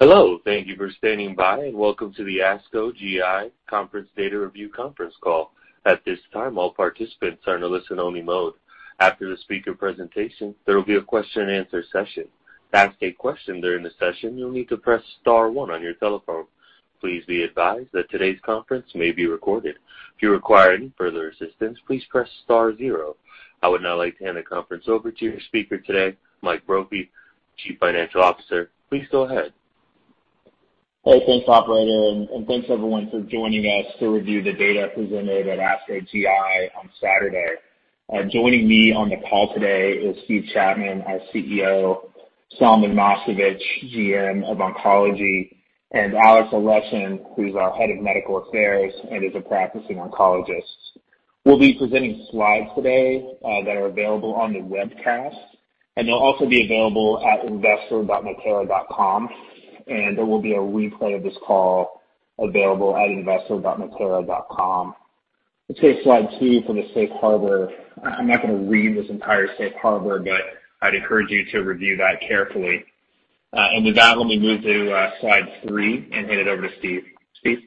Hello. Thank you for standing by, and welcome to the ASCO GI Conference Data Review Conference call. At this time, all participants are in a listen-only mode. After the speaker presentation, there will be a question and answer session. To ask a question during the session, you'll need to press star one on your telephone. Please be advised that today's conference may be recorded. If you require any further assistance, please press star zero. I would now like to hand the conference over to your speaker today, Mike Brophy, Chief Financial Officer. Please go ahead. Hey, thanks, operator, and thanks everyone for joining us to review the data presented at ASCO GI on Saturday. Joining me on the call today is Steve Chapman, our CEO, Solomon Moshkevich, GM of Oncology, and Alexey Aleshin, who's our Head of Medical Affairs and is a practicing oncologist. We'll be presenting slides today that are available on the webcast, and they'll also be available at investor.natera.com. There will be a replay of this call available at investor.natera.com. Let's go to slide two for the safe harbor. I'm not gonna read this entire safe harbor, but I'd encourage you to review that carefully. With that, let me move to slide three and hand it over to Steve. Steve?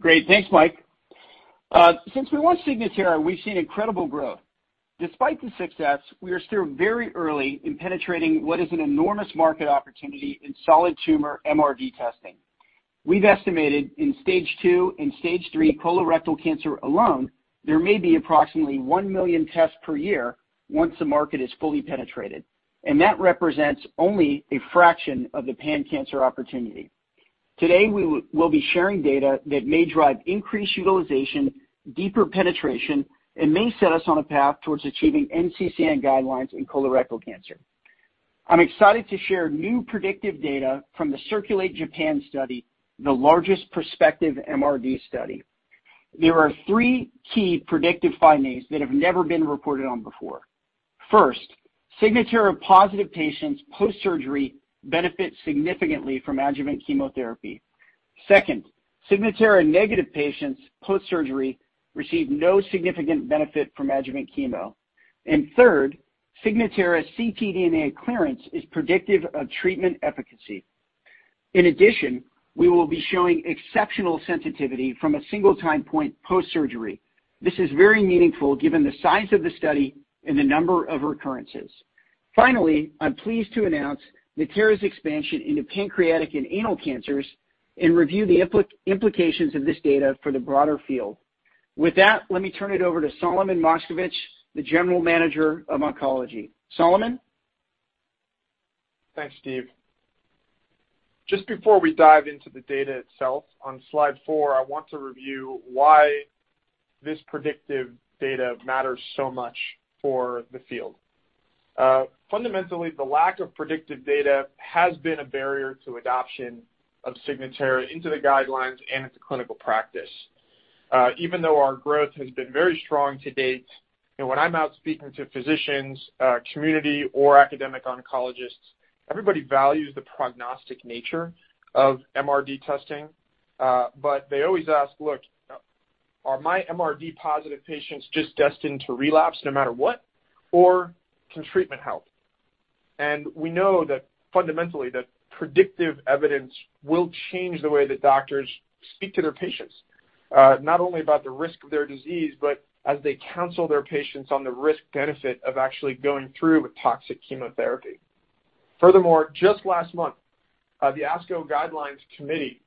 Great. Thanks, Mike. Since we launched Signatera, we've seen incredible growth. Despite the success, we are still very early in penetrating what is an enormous market opportunity in solid tumor MRD testing. We've estimated in stage II and stage III colorectal cancer alone, there may be approximately 1 million tests per year once the market is fully penetrated, and that represents only a fraction of the pan-cancer opportunity. Today, we'll be sharing data that may drive increased utilization, deeper penetration, and may set us on a path towards achieving NCCN guidelines in colorectal cancer. I'm excited to share new predictive data from the CIRCULATE-Japan study, the largest prospective MRD study. There are three key predictive findings that have never been reported on before. First, Signatera-positive patients post-surgery benefit significantly from adjuvant chemotherapy. Second, Signatera-negative patients post-surgery receive no significant benefit from adjuvant chemo. Third, Signatera ctDNA clearance is predictive of treatment efficacy. In addition, we will be showing exceptional sensitivity from a single time point post-surgery. This is very meaningful given the size of the study and the number of recurrences. Finally, I'm pleased to announce Natera's expansion into pancreatic and anal cancers and review the implications of this data for the broader field. With that, let me turn it over to Solomon Moshkevich, the general manager of oncology. Solomon? Thanks, Steve. Just before we dive into the data itself, on slide four, I want to review why this predictive data matters so much for the field. Fundamentally, the lack of predictive data has been a barrier to adoption of Signatera into the guidelines and into clinical practice. Even though our growth has been very strong to date, and when I'm out speaking to physicians, community or academic oncologists, everybody values the prognostic nature of MRD testing, but they always ask, "Look, are my MRD positive patients just destined to relapse no matter what, or can treatment help?" We know that fundamentally, that predictive evidence will change the way that doctors speak to their patients, not only about the risk of their disease, but as they counsel their patients on the risk-benefit of actually going through with toxic chemotherapy. Furthermore, just last month, the ASCO Guidelines Committee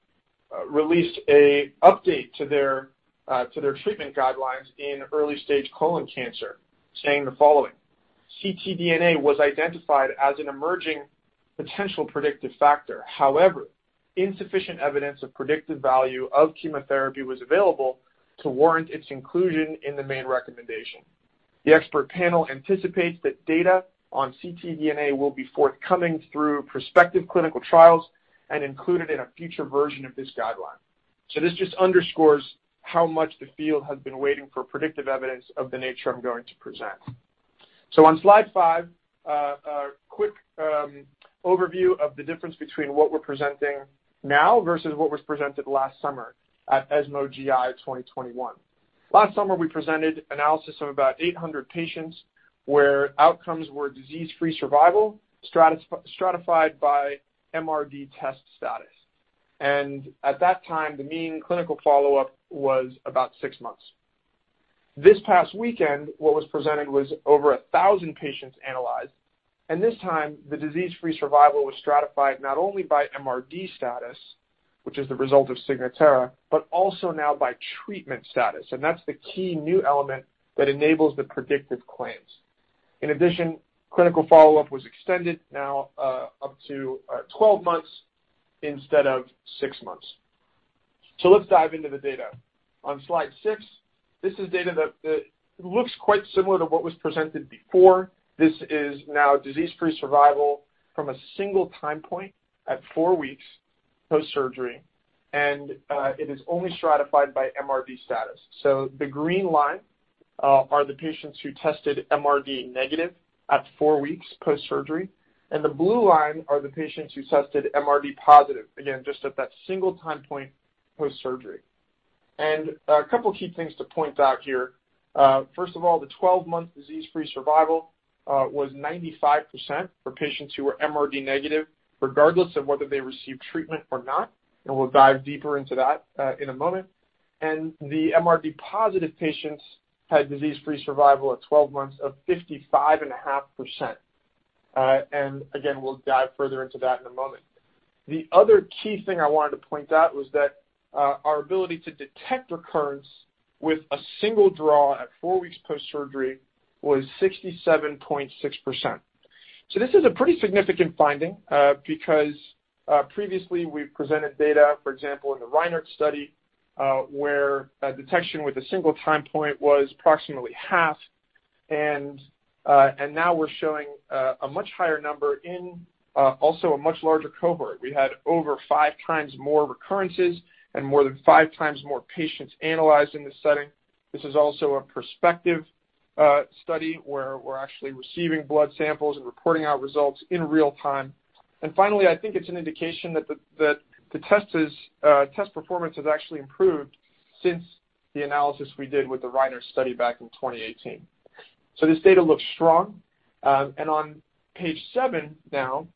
released an update to their treatment guidelines in early-stage colon cancer, saying the following: ctDNA was identified as an emerging potential predictive factor. However, insufficient evidence of predictive value of chemotherapy was available to warrant its inclusion in the main recommendation. The expert panel anticipates that data on ctDNA will be forthcoming through prospective clinical trials and included in a future version of this guideline. This just underscores how much the field has been waiting for predictive evidence of the nature I'm going to present. On slide five, a quick overview of the difference between what we're presenting now versus what was presented last summer at ESMO GI 2021. Last summer, we presented analysis of about 800 patients, where outcomes were disease-free survival, stratified by MRD test status. At that time, the mean clinical follow-up was about six months. This past weekend, what was presented was over 1,000 patients analyzed, and this time, the disease-free survival was stratified not only by MRD status, which is the result of Signatera, but also now by treatment status, and that's the key new element that enables the predictive claims. In addition, clinical follow-up was extended now up to 12 months instead of six months. Let's dive into the data. On slide six, this is data that looks quite similar to what was presented before. This is now disease-free survival from a single time point at four weeks post-surgery, and it is only stratified by MRD status. The green line are the patients who tested MRD negative at four weeks post-surgery, and the blue line are the patients who tested MRD positive, again, just at that single time point post-surgery. A couple of key things to point out here. First of all, the 12-month disease-free survival was 95% for patients who were MRD negative, regardless of whether they received treatment or not, and we'll dive deeper into that in a moment. The MRD positive patients had disease-free survival at 12 months of 55.5%. And again, we'll dive further into that in a moment. The other key thing I wanted to point out was that our ability to detect recurrence with a single draw at four weeks post-surgery was 67.6%. This is a pretty significant finding, because previously we've presented data, for example, in the Reinert study, where detection with a single time point was approximately half. Now we're showing a much higher number in also a much larger cohort. We had over five times more recurrences and more than five times more patients analyzed in this setting. This is also a prospective study where we're actually receiving blood samples and reporting out results in real time. Finally, I think it's an indication that the test performance has actually improved since the analysis we did with the Reinert study back in 2018. This data looks strong. On page seven now,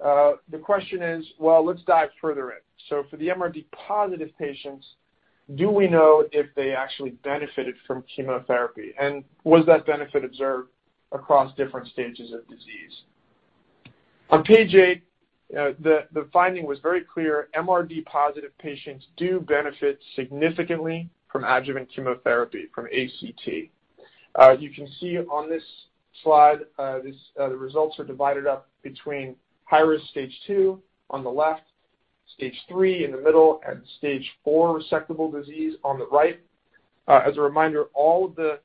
the question is, well, let's dive further in. For the MRD positive patients, do we know if they actually benefited from chemotherapy, and was that benefit observed across different stages of disease? On page eight, the finding was very clear. MRD positive patients do benefit significantly from adjuvant chemotherapy, from ACT. You can see on this slide, the results are divided up between high-risk stage two on the left, stage three in the middle, and stage four resectable disease on the right. As a reminder, all of the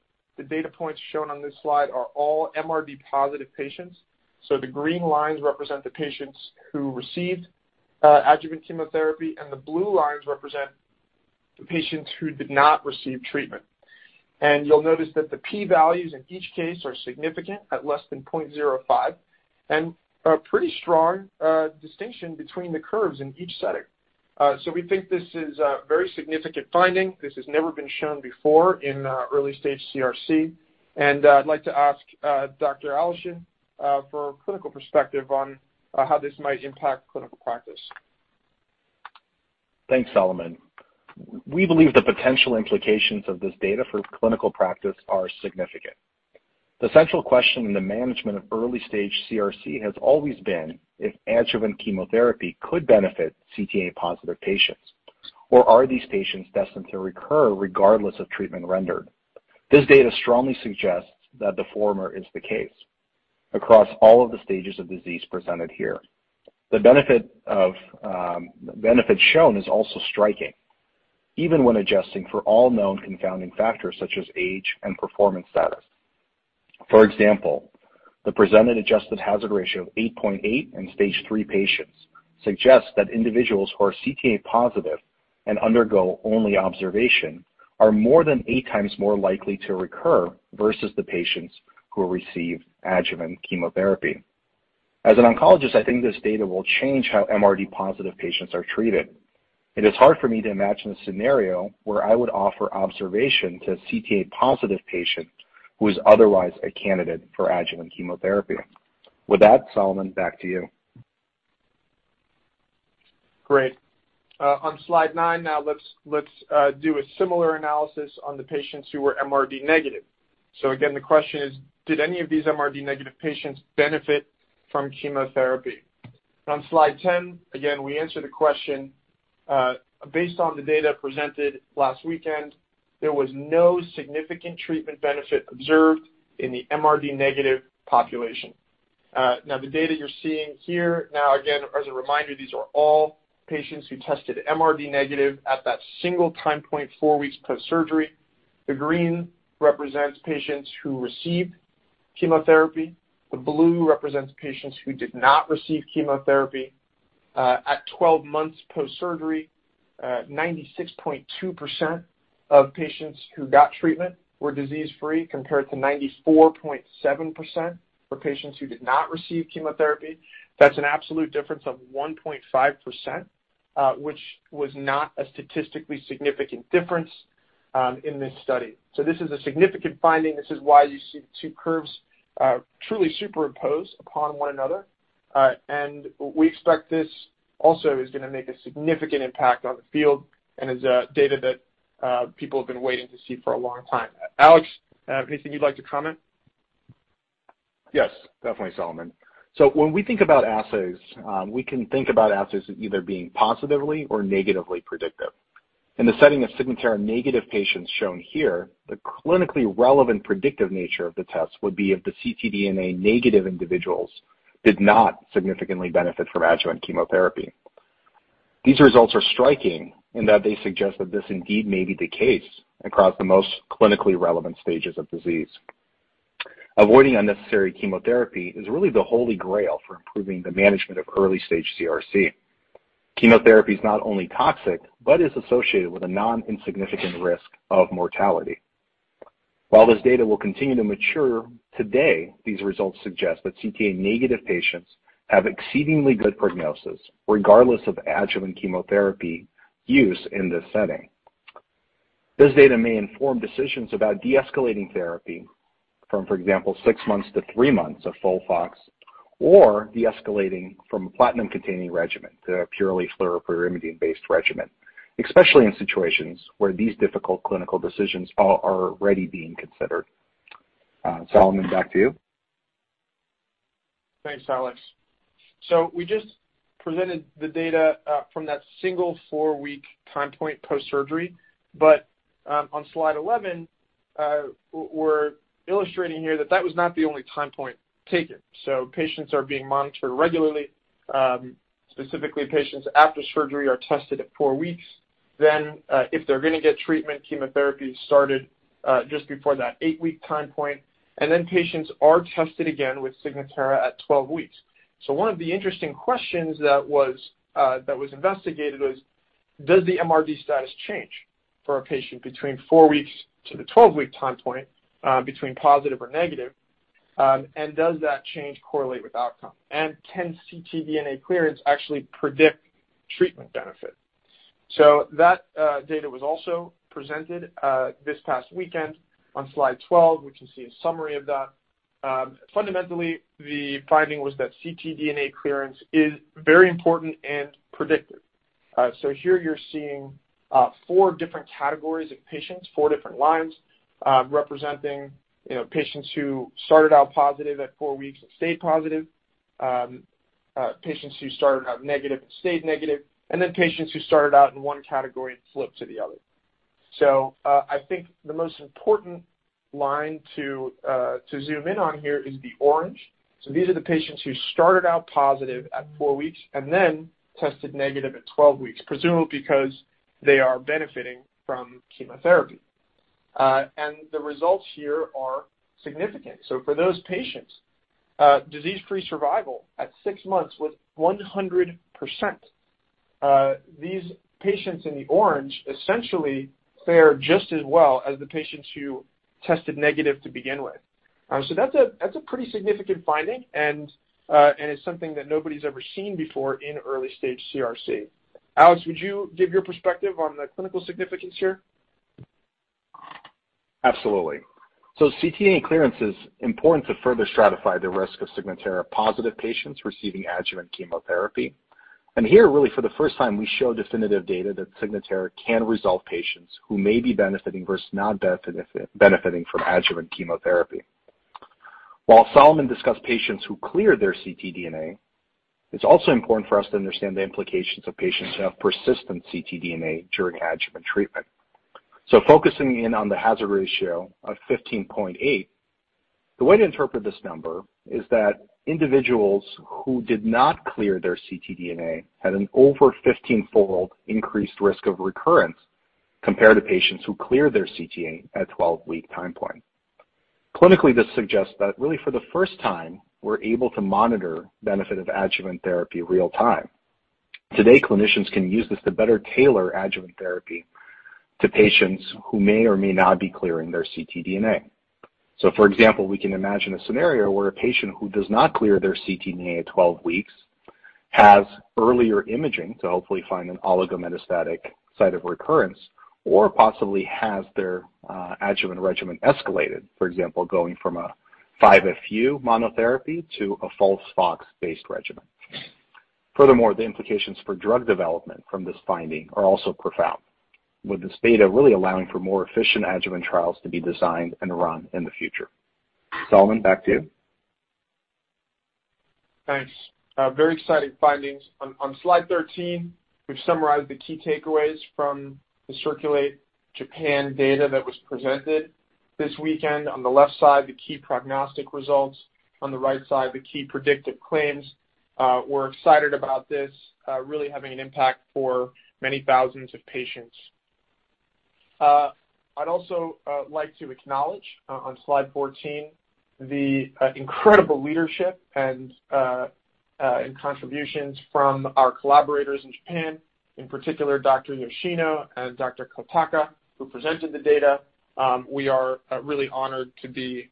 data points shown on this slide are all MRD positive patients. The green lines represent the patients who received adjuvant chemotherapy, and the blue lines represent the patients who did not receive treatment. You'll notice that the P values in each case are significant at less than 0.05, and a pretty strong distinction between the curves in each setting. We think this is a very significant finding. This has never been shown before in early-stage CRC. I'd like to ask Dr. Aleshin for a clinical perspective on how this might impact clinical practice. Thanks, Solomon. We believe the potential implications of this data for clinical practice are significant. The central question in the management of early-stage CRC has always been if adjuvant chemotherapy could benefit ctDNA-positive patients, or are these patients destined to recur regardless of treatment rendered? This data strongly suggests that the former is the case across all of the stages of disease presented here. The benefit shown is also striking, even when adjusting for all known confounding factors such as age and performance status. For example, the presented adjusted hazard ratio of 8.8 in stage three patients suggests that individuals who are ctDNA positive and undergo only observation are more than eight times more likely to recur versus the patients who receive adjuvant chemotherapy. As an oncologist, I think this data will change how MRD positive patients are treated. It is hard for me to imagine a scenario where I would offer observation to a ctDNA-positive patient who is otherwise a candidate for adjuvant chemotherapy. With that, Solomon, back to you. Great. On slide nine now, let's do a similar analysis on the patients who were MRD negative. Again, the question is, did any of these MRD negative patients benefit from chemotherapy? On slide ten, again, we answer the question based on the data presented last weekend. There was no significant treatment benefit observed in the MRD negative population. Now, the data you're seeing here, again, as a reminder, these are all patients who tested MRD negative at that single time point, four weeks post-surgery. The green represents patients who received chemotherapy. The blue represents patients who did not receive chemotherapy. At 12 months post-surgery, 96.2% of patients who got treatment were disease-free, compared to 94.7% for patients who did not receive chemotherapy. That's an absolute difference of 1.5%, which was not a statistically significant difference, in this study. This is a significant finding. This is why you see the two curves, truly superimposed upon one another. We expect this also is gonna make a significant impact on the field and is data that people have been waiting to see for a long time. Alex, anything you'd like to comment? Yes, definitely, Solomon. When we think about assays, we can think about assays as either being positively or negatively predictive. In the setting of Signatera negative patients shown here, the clinically relevant predictive nature of the test would be if the ctDNA negative individuals did not significantly benefit from adjuvant chemotherapy. These results are striking in that they suggest that this indeed may be the case across the most clinically relevant stages of disease. Avoiding unnecessary chemotherapy is really the holy grail for improving the management of early-stage CRC. Chemotherapy is not only toxic, but is associated with a non-insignificant risk of mortality. While this data will continue to mature, today these results suggest that ctDNA-negative patients have exceedingly good prognosis regardless of adjuvant chemotherapy use in this setting. This data may inform decisions about de-escalating therapy from, for example, six months to three months of FOLFOX, or de-escalating from a platinum-containing regimen to a purely fluoropyrimidine-based regimen, especially in situations where these difficult clinical decisions are already being considered. Solomon, back to you. Thanks, Alex. We just presented the data from that single 4-week time point post-surgery. On slide 11, we're illustrating here that that was not the only time point taken. Patients are being monitored regularly, specifically patients after surgery are tested at four weeks. If they're going to get treatment, chemotherapy is started just before that eight-week time point, and then patients are tested again with Signatera at 12 weeks. One of the interesting questions that was investigated was, does the MRD status change for a patient between four weeks to the 12-week time point, between positive or negative? Does that change correlate with outcome? Can ctDNA clearance actually predict treatment benefit? That data was also presented this past weekend. On slide 12, we can see a summary of that. Fundamentally, the finding was that ctDNA clearance is very important and predictive. Here you're seeing four different categories of patients, four different lines, representing, you know, patients who started out positive at four weeks and stayed positive, patients who started out negative and stayed negative, and then patients who started out in one category and flipped to the other. I think the most important line to zoom in on here is the orange. These are the patients who started out positive at four weeks and then tested negative at 12 weeks, presumably because they are benefiting from chemotherapy. The results here are significant. For those patients, disease-free survival at six months was 100%. These patients in the orange essentially fared just as well as the patients who tested negative to begin with. That's a pretty significant finding, and it's something that nobody's ever seen before in early-stage CRC. Alex, would you give your perspective on the clinical significance here? Absolutely. ctDNA clearance is important to further stratify the risk of Signatera-positive patients receiving adjuvant chemotherapy. Here, really for the first time, we show definitive data that Signatera can resolve patients who may be benefiting versus not benefiting from adjuvant chemotherapy. While Solomon discussed patients who cleared their ctDNA, it's also important for us to understand the implications of patients who have persistent ctDNA during adjuvant treatment. Focusing in on the hazard ratio of 15.8, the way to interpret this number is that individuals who did not clear their ctDNA had an over 15-fold increased risk of recurrence compared to patients who cleared their ctDNA at 12-week time point. Clinically, this suggests that really for the first time, we're able to monitor benefit of adjuvant therapy real-time. Today, clinicians can use this to better tailor adjuvant therapy to patients who may or may not be clearing their ctDNA. For example, we can imagine a scenario where a patient who does not clear their ctDNA at 12 weeks has earlier imaging to hopefully find an oligometastatic site of recurrence or possibly has their adjuvant regimen escalated, for example, going from a 5FU monotherapy to a FOLFOX-based regimen. Furthermore, the implications for drug development from this finding are also profound with this data really allowing for more efficient adjuvant trials to be designed and run in the future. Solomon, back to you. Thanks. Very exciting findings. On slide 13, we've summarized the key takeaways from the CIRCULATE-Japan data that was presented this weekend. On the left side, the key prognostic results. On the right side, the key predictive claims. We're excited about this really having an impact for many thousands of patients. I'd also like to acknowledge on slide 14 the incredible leadership and contributions from our collaborators in Japan, in particular, Dr. Yoshino and Dr. Kotaka, who presented the data. We are really honored to be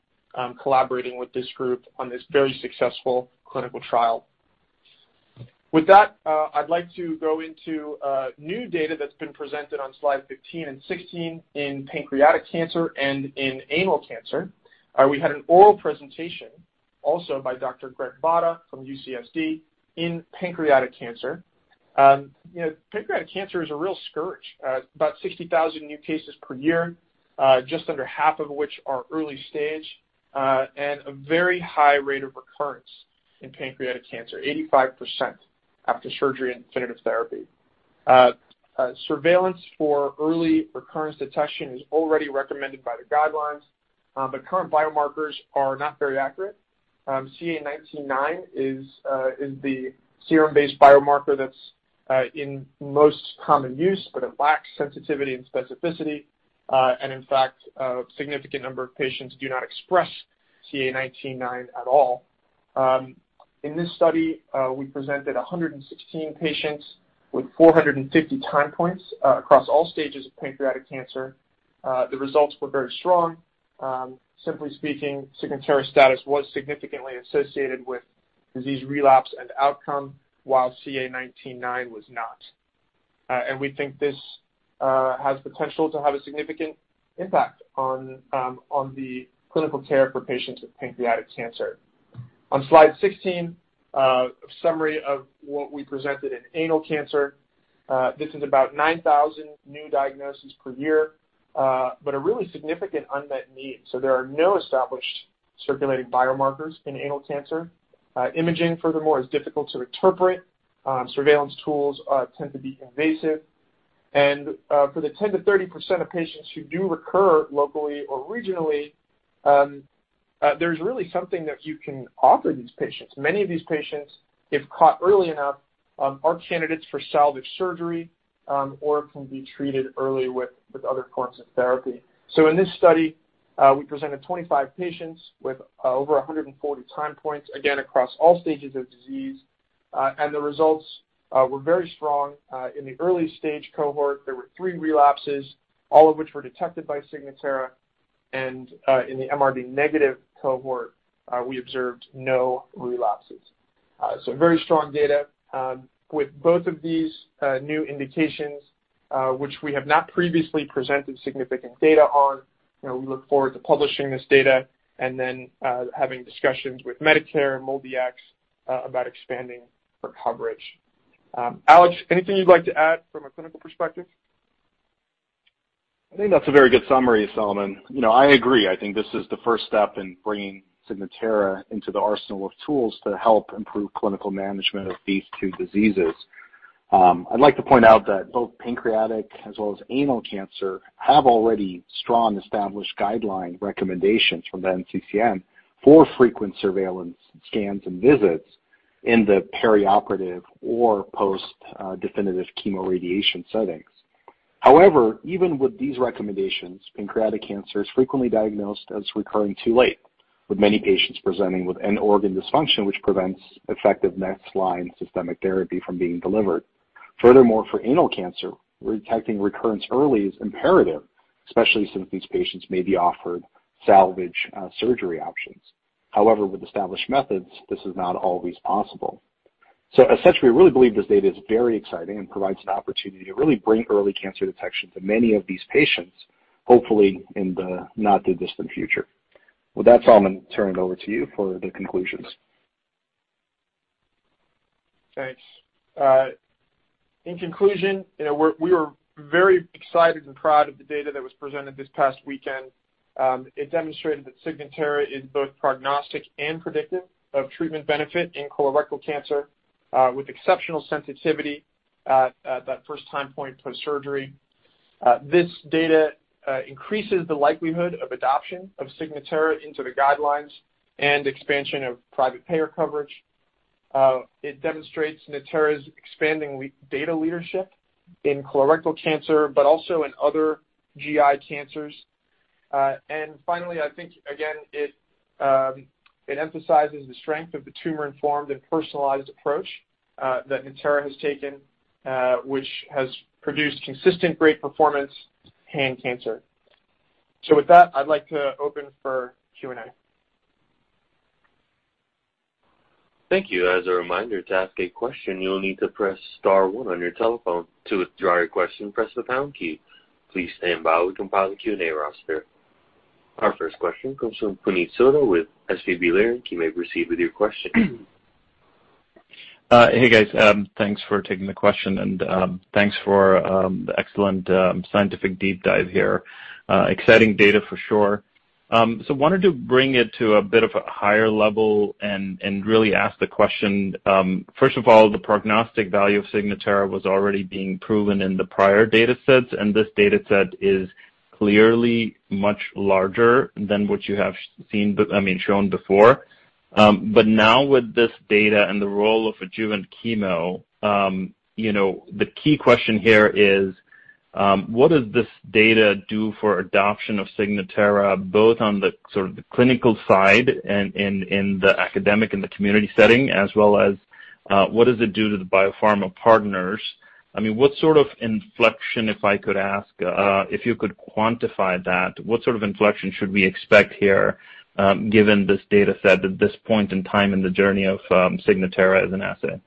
collaborating with this group on this very successful clinical trial. With that, I'd like to go into new data that's been presented on slide 15 and 16 in pancreatic cancer and in anal cancer. We had an oral presentation also by Dr. Greg Botta from UCSD in pancreatic cancer. You know, pancreatic cancer is a real scourge. About 60,000 new cases per year, just under half of which are early stage, and a very high rate of recurrence in pancreatic cancer, 85% after surgery and definitive therapy. Surveillance for early recurrence detection is already recommended by the guidelines, but current biomarkers are not very accurate. CA19-9 is the serum-based biomarker that's in most common use, but it lacks sensitivity and specificity. In fact, a significant number of patients do not express CA19-9 at all. In this study, we presented 116 patients with 450 time points, across all stages of pancreatic cancer. The results were very strong. Simply speaking, Signatera status was significantly associated with disease relapse and outcome while CA19-9 was not. We think this has potential to have a significant impact on the clinical care for patients with pancreatic cancer. On slide 16, a summary of what we presented in anal cancer. This is about 9,000 new diagnoses per year, but a really significant unmet need. There are no established circulating biomarkers in anal cancer. Imaging, furthermore, is difficult to interpret. Surveillance tools tend to be invasive. For the 10%-30% of patients who do recur locally or regionally, there's really something that you can offer these patients. Many of these patients, if caught early enough, are candidates for salvage surgery, or can be treated early with other forms of therapy. In this study, we presented 25 patients with over 140 time points, again, across all stages of disease. The results were very strong. In the early-stage cohort, there were three relapses, all of which were detected by Signatera. In the MRD negative cohort, we observed no relapses. Very strong data with both of these new indications, which we have not previously presented significant data on. You know, we look forward to publishing this data and then having discussions with Medicare and MolDX about expanding for coverage. Alex, anything you'd like to add from a clinical perspective? I think that's a very good summary, Solomon. You know, I agree. I think this is the first step in bringing Signatera into the arsenal of tools to help improve clinical management of these two diseases. I'd like to point out that both pancreatic as well as anal cancer have already strong established guideline recommendations from the NCCN for frequent surveillance scans and visits in the perioperative or post definitive chemoradiation settings. However, even with these recommendations, pancreatic cancer is frequently diagnosed as recurring too late, with many patients presenting with an organ dysfunction, which prevents effective next line systemic therapy from being delivered. Furthermore, for anal cancer, detecting recurrence early is imperative, especially since these patients may be offered salvage surgery options. However, with established methods, this is not always possible. Essentially, we really believe this data is very exciting and provides an opportunity to really bring early cancer detection to many of these patients, hopefully in the not too distant future. With that, Solomon, turn it over to you for the conclusions. Thanks. In conclusion, you know, we were very excited and proud of the data that was presented this past weekend. It demonstrated that Signatera is both prognostic and predictive of treatment benefit in colorectal cancer, with exceptional sensitivity at that first time point post-surgery. This data increases the likelihood of adoption of Signatera into the guidelines and expansion of private payer coverage. It demonstrates Natera's expanding data leadership in colorectal cancer, but also in other GI cancers. And finally, I think again, it emphasizes the strength of the tumor-informed and personalized approach that Natera has taken, which has produced consistent great performance in cancer. With that, I'd like to open for Q&A. Thank you. As a reminder, to ask a question, you will need to press star one on your telephone. To withdraw your question, press the pound key. Please stand by while we compile the Q&A roster. Our first question comes from Puneet Souda with SVB Leerink. You may proceed with your question. Hey, guys. Thanks for taking the question and thanks for the excellent scientific deep dive here. Exciting data for sure. Wanted to bring it to a bit of a higher level and really ask the question, first of all, the prognostic value of Signatera was already being proven in the prior datasets, and this dataset is clearly much larger than what you have seen, but I mean, shown before. But now with this data and the role of adjuvant chemo, you know, the key question here is, what does this data do for adoption of Signatera, both on the sort of the clinical side and in the academic and the community setting, as well as what does it do to the biopharma partners? I mean, what sort of inflection, if I could ask, if you could quantify that, what sort of inflection should we expect here, given this data set at this point in time in the journey of Signatera as an asset?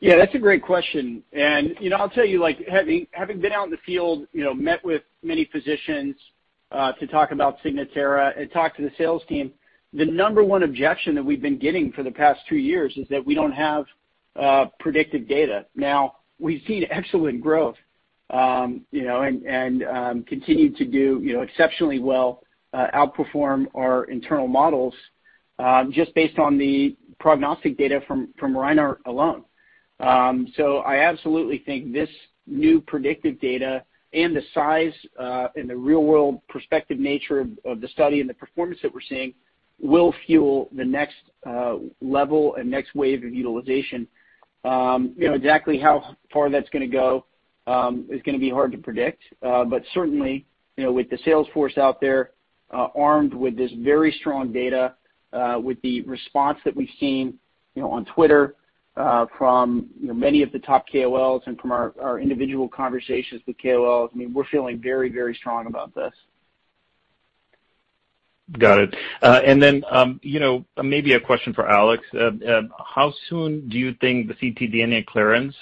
Yeah, that's a great question. You know, I'll tell you, like, having been out in the field, you know, met with many physicians to talk about Signatera and talk to the sales team, the number one objection that we've been getting for the past two years is that we don't have predictive data. Now, we've seen excellent growth, you know, and continue to do, you know, exceptionally well, outperform our internal models, just based on the prognostic data from Reinert alone. I absolutely think this new predictive data and the size and the real-world prospective nature of the study and the performance that we're seeing will fuel the next level and next wave of utilization. You know exactly how far that's gonna go. It's gonna be hard to predict. Certainly, you know, with the sales force out there, armed with this very strong data, with the response that we've seen, you know, on Twitter, from, you know, many of the top KOLs and from our individual conversations with KOLs, I mean, we're feeling very, very strong about this. Got it. You know, maybe a question for Alex. How soon do you think the ctDNA clearance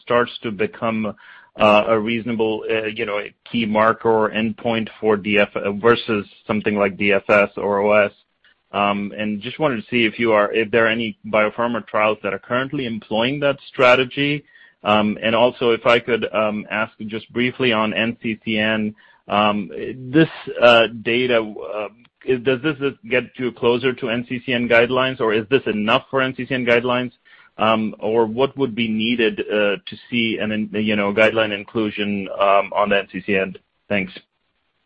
starts to become a reasonable you know, a key marker or endpoint for DFS versus something like DFS or OS? Just wanted to see if there are any biopharma trials that are currently employing that strategy. Also if I could ask just briefly on NCCN, this data, does this get you closer to NCCN guidelines, or is this enough for NCCN guidelines? What would be needed to see you know, guideline inclusion on the NCCN? Thanks.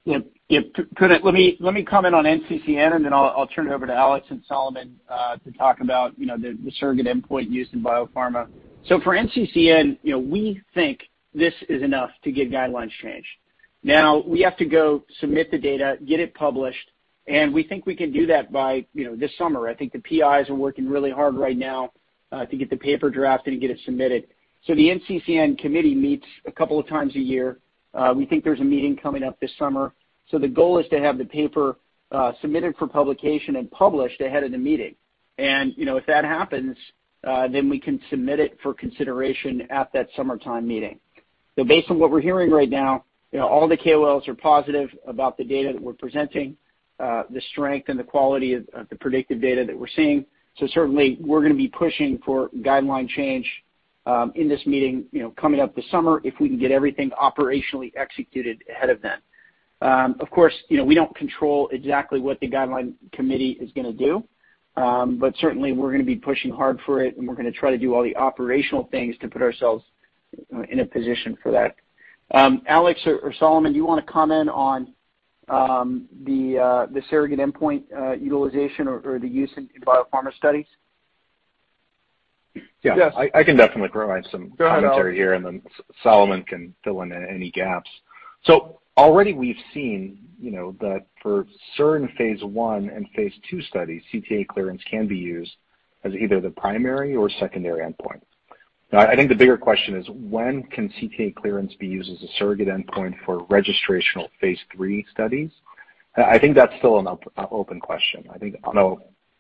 Let me comment on NCCN, and then I'll turn it over to Alex and Solomon to talk about, you know, the surrogate endpoint used in biopharma. For NCCN, you know, we think this is enough to get guidelines changed. Now, we have to go submit the data, get it published, and we think we can do that by, you know, this summer. I think the PIs are working really hard right now to get the paper drafted and get it submitted. The NCCN committee meets a couple of times a year. We think there's a meeting coming up this summer. The goal is to have the paper submitted for publication and published ahead of the meeting. You know, if that happens, then we can submit it for consideration at that summertime meeting. Based on what we're hearing right now, you know, all the KOLs are positive about the data that we're presenting, the strength and the quality of the predictive data that we're seeing. Certainly, we're gonna be pushing for guideline change in this meeting, you know, coming up this summer if we can get everything operationally executed ahead of then. Of course, you know, we don't control exactly what the guideline committee is gonna do, but certainly we're gonna be pushing hard for it, and we're gonna try to do all the operational things to put ourselves in a position for that. Alex or Solomon, do you wanna comment on the surrogate endpoint utilization or the use in biopharma studies? Yes. Yeah. I can definitely provide some commentary here. Go ahead, Alex. Solomon can fill in any gaps. Already we've seen, you know, that for certain phase I and phase II studies, CTA clearance can be used as either the primary or secondary endpoint. Now, I think the bigger question is when can CTA clearance be used as a surrogate endpoint for registrational phase III studies? I think that's still an open question. I think on a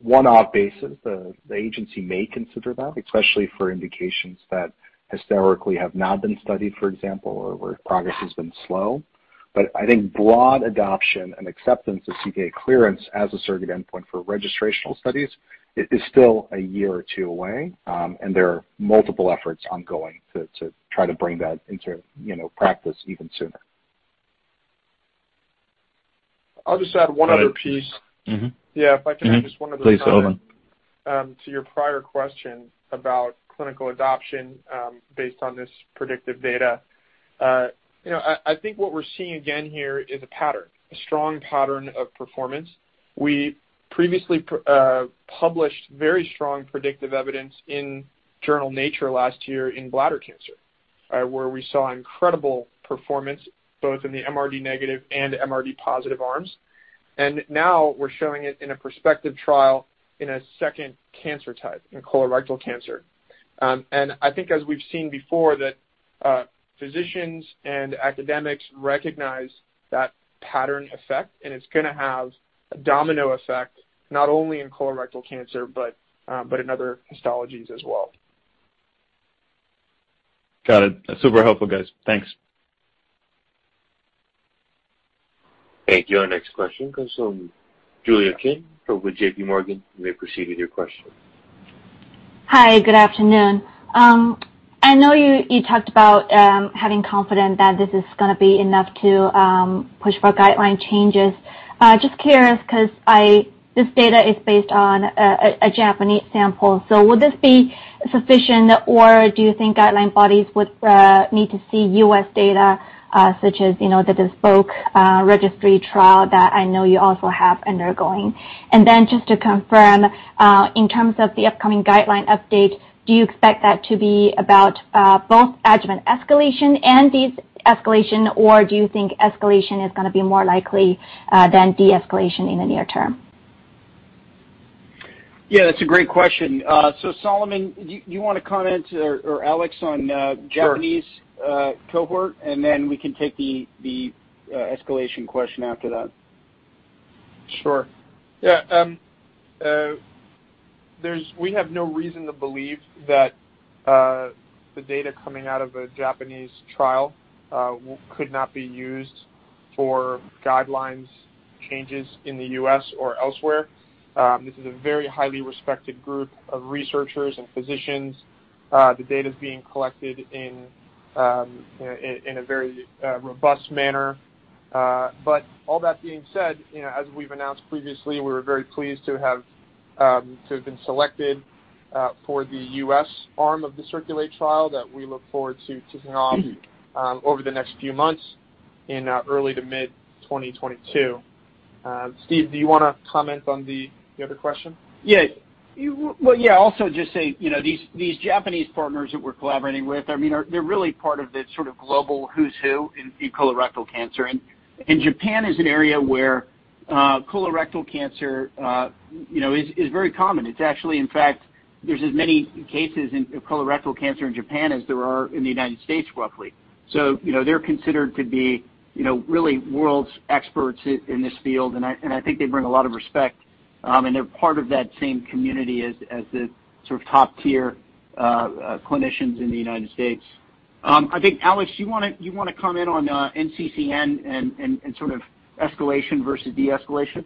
one-off basis, the agency may consider that, especially for indications that historically have not been studied, for example, or where progress has been slow. I think broad adoption and acceptance of CTA clearance as a surrogate endpoint for registrational studies is still a year or two away, and there are multiple efforts ongoing to try to bring that into, you know, practice even sooner. I'll just add one other piece. Right. Mm-hmm. Yeah, if I can add just one other comment. Please, Solomon To your prior question about clinical adoption, based on this predictive data. You know, I think what we're seeing again here is a pattern, a strong pattern of performance. We previously published very strong predictive evidence in Nature Medicine last year in bladder cancer, where we saw incredible performance both in the MRD negative and MRD positive arms. Now we're showing it in a prospective trial in a second cancer type, in colorectal cancer. I think as we've seen before, that physicians and academics recognize that pattern effect, and it's gonna have a domino effect, not only in colorectal cancer, but in other histologies as well. Got it. That's super helpful, guys. Thanks. Thank you. Our next question comes from Julia Kim from JPMorgan. You may proceed with your question. Hi. Good afternoon. I know you talked about having confidence that this is gonna be enough to push for guideline changes. Just curious 'cause this data is based on a Japanese sample. Would this be sufficient, or do you think guideline bodies would need to see U.S. data, such as, you know, the BESPOKE registry trial that I know you also have undergoing? And then just to confirm, in terms of the upcoming guideline update, do you expect that to be about both adjuvant escalation and deescalation, or do you think escalation is gonna be more likely than deescalation in the near term? Yeah, that's a great question. Solomon, do you wanna comment or Alex on... Sure Japanese cohort? We can take the escalation question after that. Sure. Yeah, we have no reason to believe that the data coming out of a Japanese trial could not be used for guidelines changes in the U.S. or elsewhere. This is a very highly respected group of researchers and physicians. The data is being collected in a very robust manner. But all that being said, you know, as we've announced previously, we were very pleased to have been selected for the U.S. arm of the CIRCULATE trial that we look forward to kicking off over the next few months in early to mid-2022. Steve, do you wanna comment on the other question? Yes. Well, yeah, I'll also just say, you know, these Japanese partners that we're collaborating with, I mean, they're really part of the sort of global who's who in colorectal cancer. Japan is an area where colorectal cancer, you know, is very common. It's actually, in fact, there's as many cases of colorectal cancer in Japan as there are in the United States, roughly. You know, they're considered to be, you know, really world's experts in this field, and I think they bring a lot of respect, and they're part of that same community as the sort of top tier clinicians in the United States. I think, Alex, do you wanna comment on NCCN and sort of escalation versus de-escalation?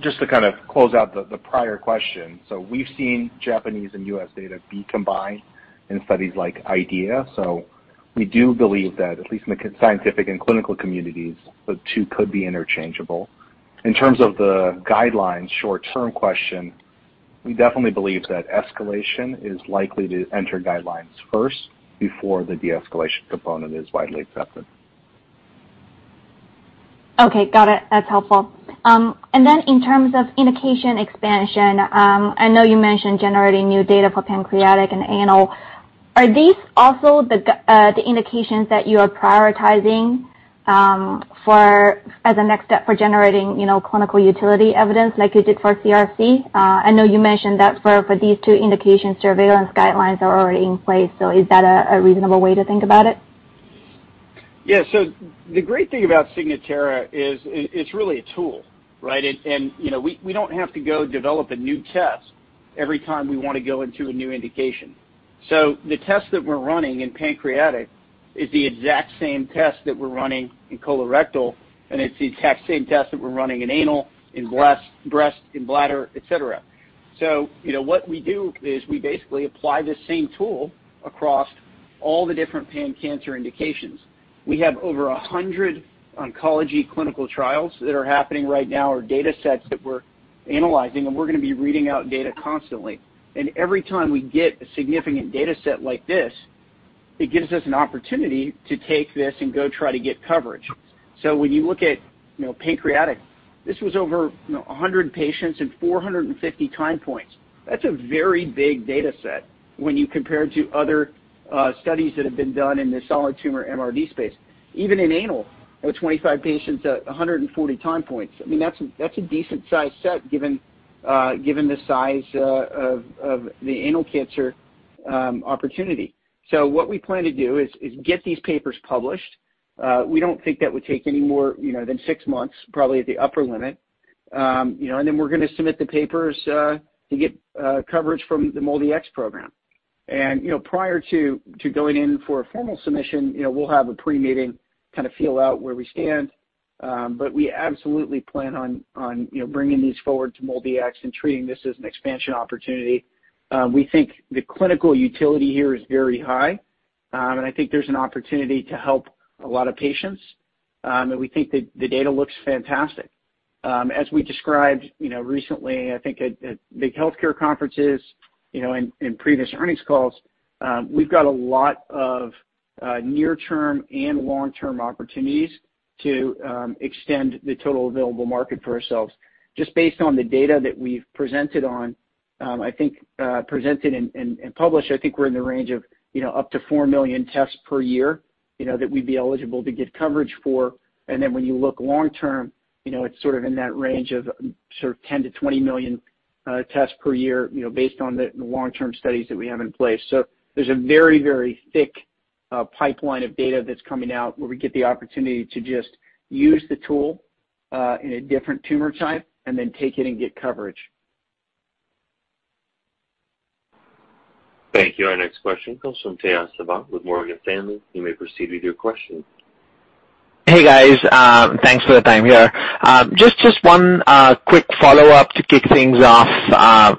Just to kind of close out the prior question. We've seen Japanese and U.S. data be combined in studies like IDEA. We do believe that at least in the scientific and clinical communities, the two could be interchangeable. In terms of the guidelines short-term question, we definitely believe that escalation is likely to enter guidelines first before the de-escalation component is widely accepted. Okay. Got it. That's helpful. In terms of indication expansion, I know you mentioned generating new data for pancreatic and anal. Are these also the indications that you are prioritizing for as a next step for generating, you know, clinical utility evidence like you did for CRC? I know you mentioned that for these two indications, surveillance guidelines are already in place. Is that a reasonable way to think about it? Yeah. The great thing about Signatera is, it's really a tool, right? You know, we don't have to go develop a new test every time we wanna go into a new indication. The test that we're running in pancreatic is the exact same test that we're running in colorectal, and it's the exact same test that we're running in anal, in breast, in bladder, et cetera. You know, what we do is we basically apply the same tool across all the different pan-cancer indications. We have over 100 oncology clinical trials that are happening right now or datasets that we're analyzing, and we're gonna be reading out data constantly. Every time we get a significant dataset like this, it gives us an opportunity to take this and go try to get coverage. When you look at pancreatic, this was over 100 patients and 450 time points. That's a very big dataset when you compare it to other studies that have been done in the solid tumor MRD space. Even in anal, with 25 patients at 140 time points, that's a decent size set given the size of the anal cancer opportunity. What we plan to do is get these papers published. We don't think that would take any more than six months, probably at the upper limit. Then we're gonna submit the papers to get coverage from the MolDX program. You know, prior to going in for a formal submission, you know, we'll have a pre-meeting, kinda feel out where we stand, but we absolutely plan on bringing these forward to MolDX and treating this as an expansion opportunity. We think the clinical utility here is very high, and I think there's an opportunity to help a lot of patients, and we think that the data looks fantastic. As we described, you know, recently, I think at big healthcare conferences, you know, in previous earnings calls, we've got a lot of near term and long-term opportunities to extend the total available market for ourselves. Just based on the data that we've presented and published, I think we're in the range of, you know, up to four million tests per year, you know, that we'd be eligible to get coverage for. When you look long term, you know, it's sort of in that range of sort of 10-20 million tests per year, you know, based on the long-term studies that we have in place. There's a very, very thick pipeline of data that's coming out where we get the opportunity to just use the tool in a different tumor type and then take it and get coverage. Thank you. Our next question comes from Tejas Savant with Morgan Stanley. You may proceed with your question. Hey, guys. Thanks for the time here. Just one quick follow-up to kick things off.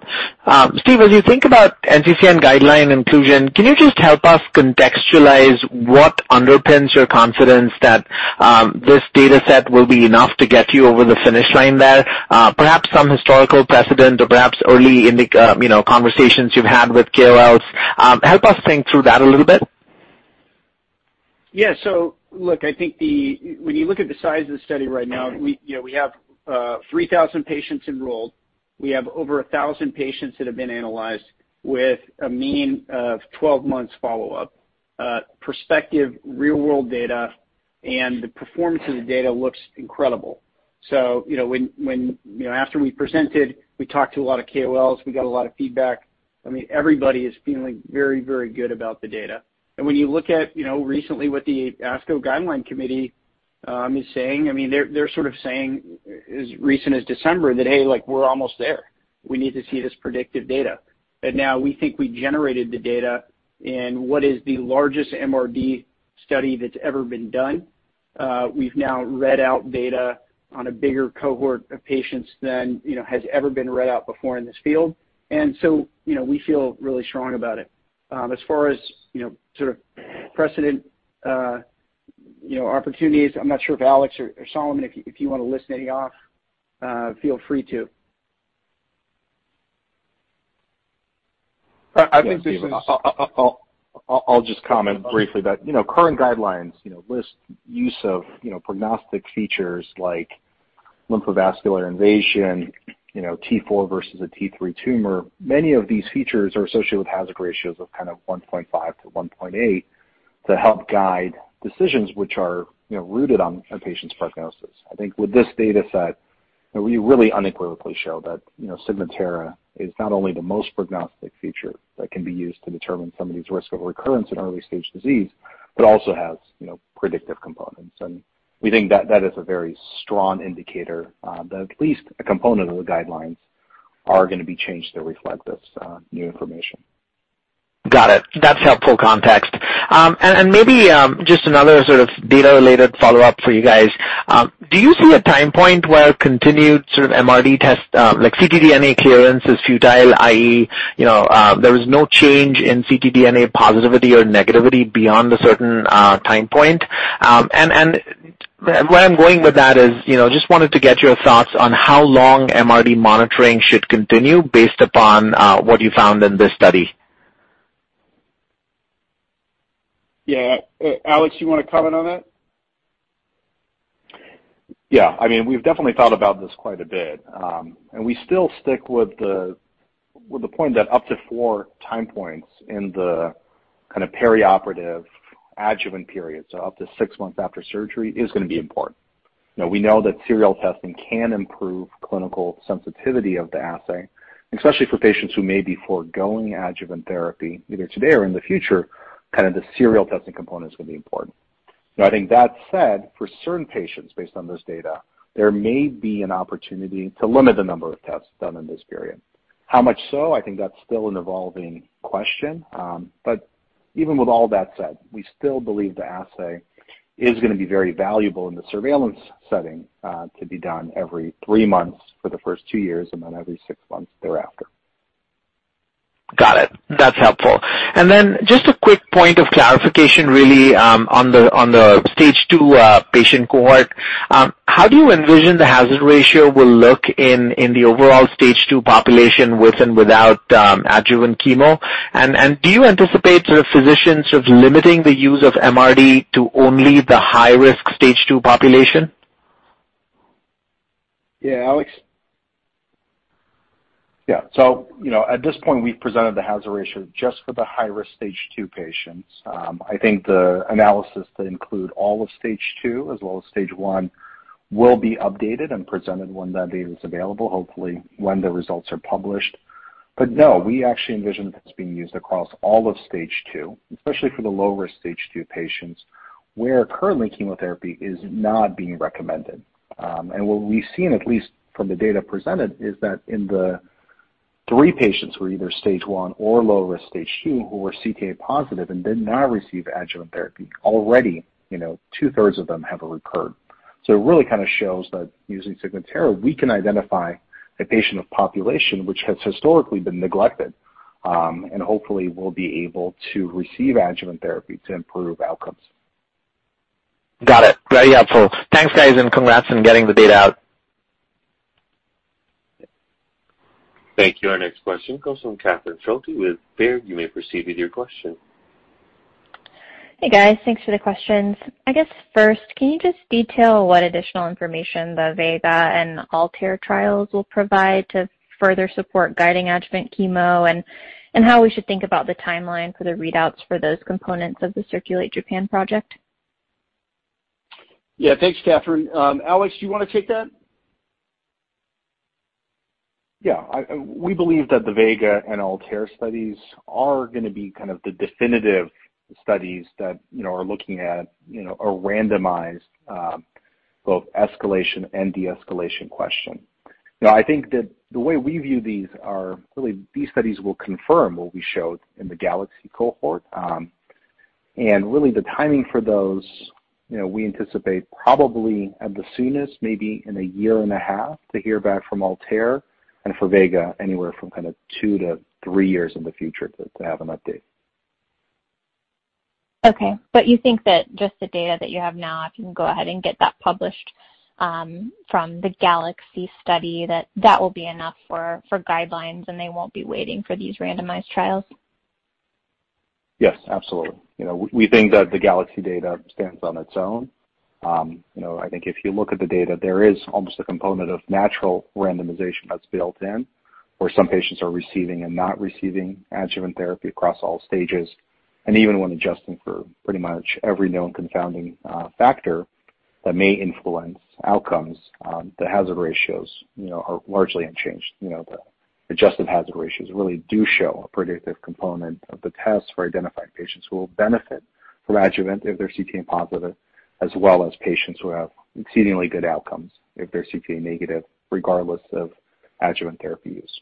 Steve, as you think about NCCN guideline inclusion, can you just help us contextualize what underpins your confidence that this dataset will be enough to get you over the finish line there? Perhaps some historical precedent or perhaps, you know, conversations you've had with KOLs. Help us think through that a little bit. Yeah. Look, I think when you look at the size of the study right now, we, you know, we have 3,000 patients enrolled. We have over 1,000 patients that have been analyzed with a mean of 12 months follow-up, prospective real-world data and the performance of the data looks incredible. You know, after we presented, we talked to a lot of KOLs. We got a lot of feedback. I mean, everybody is feeling very, very good about the data. When you look at, you know, recently what the ASCO guideline committee is saying, I mean, they're sort of saying as recent as December that, "Hey, like, we're almost there. We need to see this predictive data." Now we think we generated the data in what is the largest MRD study that's ever been done. We've now read out data on a bigger cohort of patients than, you know, has ever been read out before in this field. You know, we feel really strong about it. As far as, you know, sort of precedent, you know, opportunities, I'm not sure if Alex or Solomon, if you wanna list any off, feel free to. I think this is—I'll just comment briefly that, you know, current guidelines, you know, list use of, you know, prognostic features like lymphovascular invasion, you know, T4 versus a T3 tumor. Many of these features are associated with hazard ratios of kind of 1.5-1.8 to help guide decisions which are, you know, rooted on a patient's prognosis. I think with this data set, we really unequivocally show that, you know, Signatera is not only the most prognostic feature that can be used to determine somebody's risk of recurrence in early stage disease, but also has, you know, predictive components. We think that is a very strong indicator that at least a component of the guidelines are gonna be changed to reflect this new information. Got it. That's helpful context. Maybe just another sort of data-related follow-up for you guys. Do you see a time point where continued sort of MRD test like ctDNA clearance is futile, i.e., you know, there is no change in ctDNA positivity or negativity beyond a certain time point? Where I'm going with that is, you know, just wanted to get your thoughts on how long MRD monitoring should continue based upon what you found in this study. Yeah. Alex, you wanna comment on that? I mean, we've definitely thought about this quite a bit, and we still stick with the point that up to four time points in the kind of perioperative adjuvant period, so up to six months after surgery, is gonna be important. We know that serial testing can improve clinical sensitivity of the assay, especially for patients who may be foregoing adjuvant therapy, either today or in the future, kind of the serial testing components will be important. I think that said, for certain patients based on this data, there may be an opportunity to limit the number of tests done in this period. How much so? I think that's still an evolving question. Even with all that said, we still believe the assay is gonna be very valuable in the surveillance setting, to be done every three months for the first two years and then every six months thereafter. Got it. That's helpful. Just a quick point of clarification really, on the stage II patient cohort. How do you envision the hazard ratio will look in the overall stage II population with and without adjuvant chemo? Do you anticipate sort of physicians sort of limiting the use of MRD to only the high-risk stage II population? Yeah. Alex? Yeah. You know, at this point, we've presented the hazard ratio just for the high-risk stage two patients. I think the analysis to include all of stage two as well as stage one will be updated and presented when that data is available, hopefully when the results are published. No, we actually envision this being used across all of stage two, especially for the low-risk stage two patients, where currently chemotherapy is not being recommended. What we've seen, at least from the data presented, is that in the three patients who were either stage one or low risk stage two who were ctDNA positive and did not receive adjuvant therapy, already, you know, two-thirds of them have recurred. It really kind of shows that using Signatera, we can identify a patient population which has historically been neglected, and hopefully will be able to receive adjuvant therapy to improve outcomes. Got it. Very helpful. Thanks, guys, and congrats on getting the data out. Thank you. Our next question comes from Catherine Schulte with Baird. You may proceed with your question. Hey, guys. Thanks for the questions. I guess first, can you just detail what additional information the VEGA and ALTAIR trials will provide to further support guiding adjuvant chemo and how we should think about the timeline for the readouts for those components of the CIRCULATE-Japan project? Yeah. Thanks, Catherine. Alex, do you wanna take that? Yeah. We believe that the VEGA and ALTAIR studies are gonna be kind of the definitive studies that, you know, are looking at, you know, a randomized, both escalation and de-escalation question. You know, I think that the way we view these are really these studies will confirm what we showed in the GALAXY cohort. Really the timing for those, you know, we anticipate probably at the soonest, maybe in a year and a half to hear back from ALTAIR and for VEGA, anywhere from kind of two-three years in the future to have an update. Okay. You think that just the data that you have now, if you can go ahead and get that published, from the GALAXY study, that will be enough for guidelines and they won't be waiting for these randomized trials? Yes, absolutely. You know, we think that the GALAXY data stands on its own. You know, I think if you look at the data, there is almost a component of natural randomization that's built in, where some patients are receiving and not receiving adjuvant therapy across all stages, and even when adjusting for pretty much every known confounding factor that may influence outcomes, the hazard ratios, you know, are largely unchanged. You know, the adjusted hazard ratios really do show a predictive component of the test for identifying patients who will benefit from adjuvant if they're ctDNA positive, as well as patients who have exceedingly good outcomes if they're ctDNA negative, regardless of adjuvant therapy use.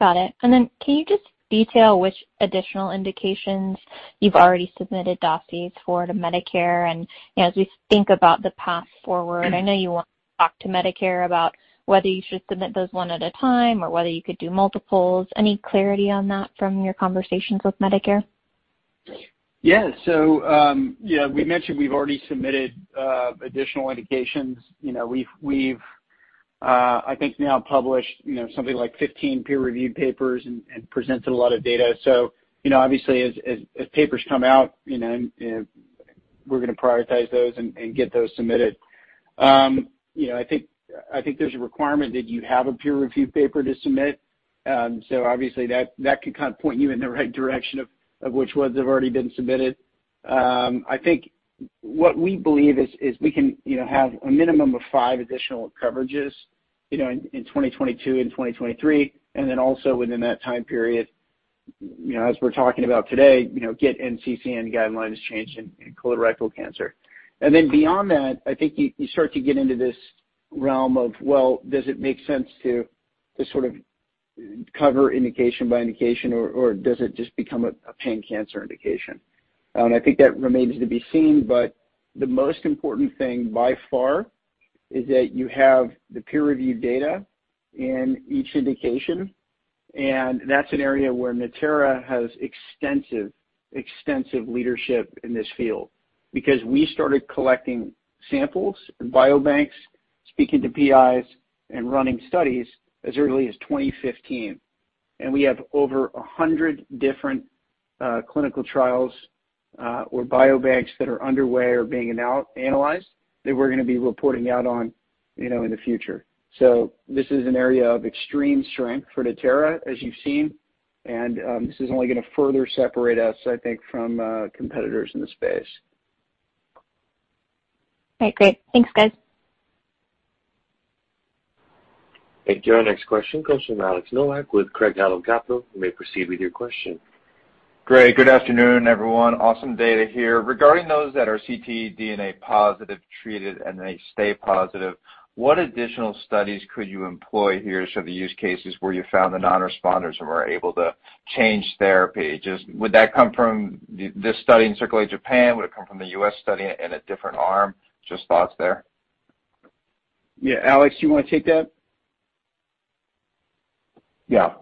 Got it. Can you just detail which additional indications you've already submitted dossiers for to Medicare? You know, as we think about the path forward, I know you want to talk to Medicare about whether you should submit those one at a time or whether you could do multiples. Any clarity on that from your conversations with Medicare? Yes. Yeah, we mentioned we've already submitted additional indications. You know, we've I think now published you know something like 15 peer-reviewed papers and presented a lot of data. You know, obviously, as papers come out, you know, we're gonna prioritize those and get those submitted. You know, I think there's a requirement that you have a peer-reviewed paper to submit. Obviously that could kind of point you in the right direction of which ones have already been submitted. I think what we believe is we can, you know, have a minimum of five additional coverages, you know, in 2022 and 2023, and then also within that time period, you know, as we're talking about today, you know, get NCCN guidelines changed in colorectal cancer. Then beyond that, I think you start to get into this realm of, well, does it make sense to sort of cover indication by indication, or does it just become a pan-cancer indication? I think that remains to be seen, but the most important thing by far is that you have the peer-reviewed data in each indication, and that's an area where Natera has extensive leadership in this field because we started collecting samples and biobanks, speaking to PIs and running studies as early as 2015. We have over 100 different clinical trials or biobanks that are underway or being analyzed that we're gonna be reporting out on, you know, in the future. This is an area of extreme strength for Natera, as you've seen, and this is only gonna further separate us, I think, from competitors in the space. All right. Great. Thanks, guys. Thank you. Our next question comes from Alex Nowak with Craig-Hallum Capital. You may proceed with your question. Great. Good afternoon, everyone. Awesome data here. Regarding those that are ctDNA positive treated and they stay positive, what additional studies could you employ here? The use cases where you found the non-responders and were able to change therapy, just would that come from this study in CIRCULATE-Japan? Would it come from the CIRCULATE-US study in a different arm? Just thoughts there. Yeah, Alex, do you wanna take that? Yeah.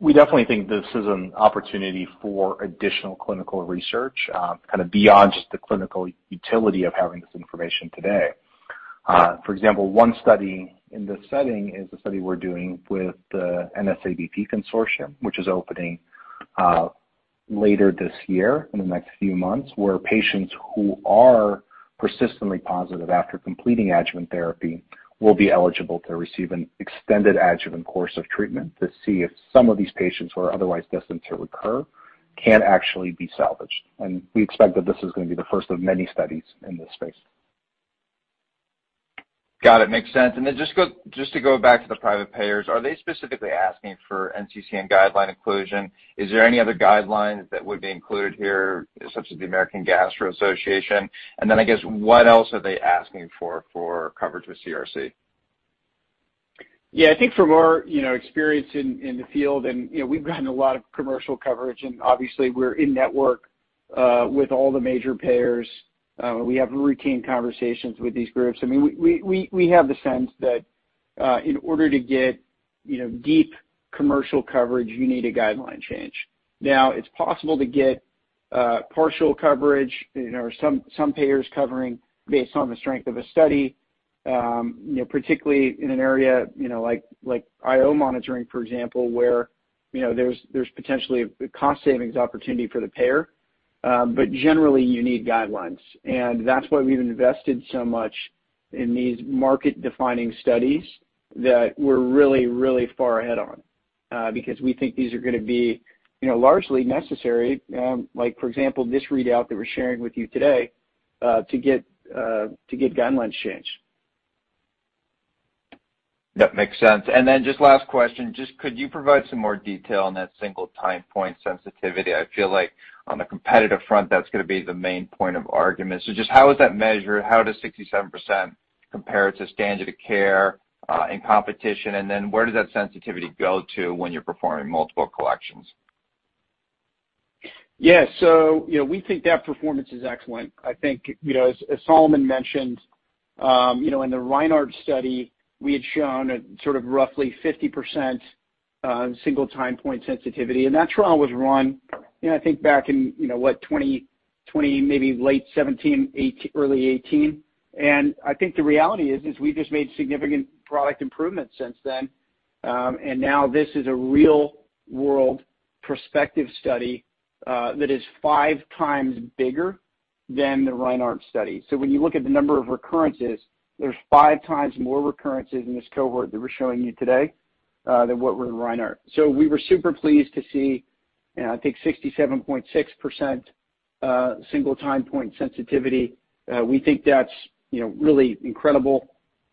We definitely think this is an opportunity for additional clinical research, kind of beyond just the clinical utility of having this information today. For example, one study in this setting is a study we're doing with the NSABP consortium, which is opening later this year in the next few months, where patients who are persistently positive after completing adjuvant therapy will be eligible to receive an extended adjuvant course of treatment to see if some of these patients who are otherwise destined to recur can actually be salvaged. We expect that this is gonna be the first of many studies in this space. Got it. Makes sense. Just to go back to the private payers, are they specifically asking for NCCN guideline inclusion? Is there any other guidelines that would be included here, such as the American Gastroenterological Association? I guess, what else are they asking for coverage with CRC? Yeah. I think from our experience in the field and we've gotten a lot of commercial coverage, and obviously we're in network with all the major payers. We have routine conversations with these groups. I mean, we have the sense that in order to get deep commercial coverage, you need a guideline change. Now it's possible to get partial coverage or some payers covering based on the strength of a study, particularly in an area like IO monitoring, for example, where there's potentially a cost savings opportunity for the payer. Generally you need guidelines, and that's why we've invested so much in these market-defining studies that we're really, really far ahead on, because we think these are gonna be, you know, largely necessary, like for example, this readout that we're sharing with you today, to get guidelines changed. Yep, makes sense. Just last question, just could you provide some more detail on that single time point sensitivity? I feel like on the competitive front, that's gonna be the main point of argument. Just how is that measured? How does 67% compare to standard of care, in competition? Where does that sensitivity go to when you're performing multiple collections? Yeah. You know, we think that performance is excellent. I think, you know, as Solomon mentioned, you know, in the Reinert study, we had shown a sort of roughly 50% single time point sensitivity, and that trial was run, you know, I think back in, you know, what, 2020 maybe late 2017 early 2018. I think the reality is we've just made significant product improvements since then. Now this is a real-world prospective study that is five times bigger than the Reinert study. When you look at the number of recurrences, there's five times more recurrences in this cohort that we're showing you today than what were in Reinert. We were super pleased to see, you know, I think 67.6% single time point sensitivity. We think that's, you know, really incredible.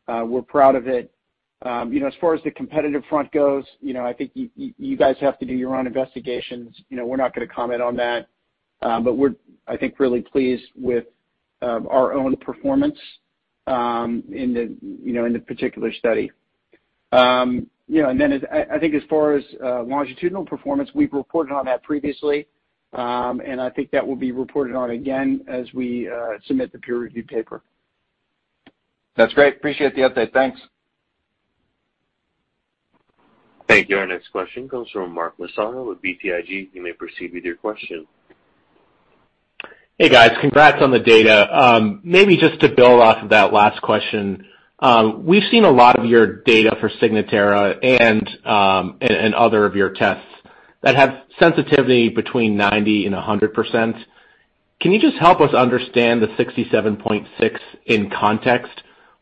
We're proud of it. You know, as far as the competitive front goes, you know, I think you guys have to do your own investigations. You know, we're not gonna comment on that. But we're, I think, really pleased with our own performance, you know, in the particular study. You know, then as I think as far as longitudinal performance, we've reported on that previously. I think that will be reported on again as we submit the peer review paper. That's great. Appreciate the update. Thanks. Thank you. Our next question comes from Mark Massaro with BTIG. You may proceed with your question. Hey guys. Congrats on the data. Maybe just to build off of that last question. We've seen a lot of your data for Signatera and other of your tests that have sensitivity between 90% and 100%. Can you just help us understand the 67.6 in context?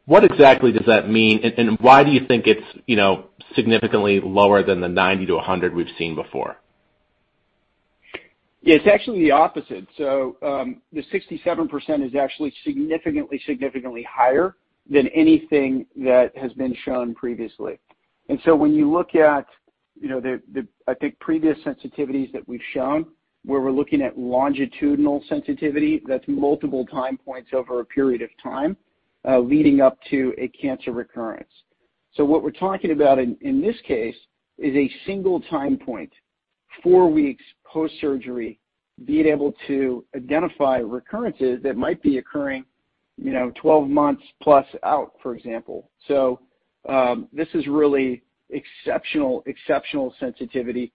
What exactly does that mean? Why do you think it's, you know, significantly lower than the 90%-100% we've seen before? Yeah, it's actually the opposite. The 67% is actually significantly higher than anything that has been shown previously. When you look at, you know, the previous sensitivities that we've shown, where we're looking at longitudinal sensitivity, that's multiple time points over a period of time, leading up to a cancer recurrence. What we're talking about in this case is a single time point, four weeks post-surgery, being able to identify recurrences that might be occurring, you know, 12 months plus out, for example. This is really exceptional sensitivity,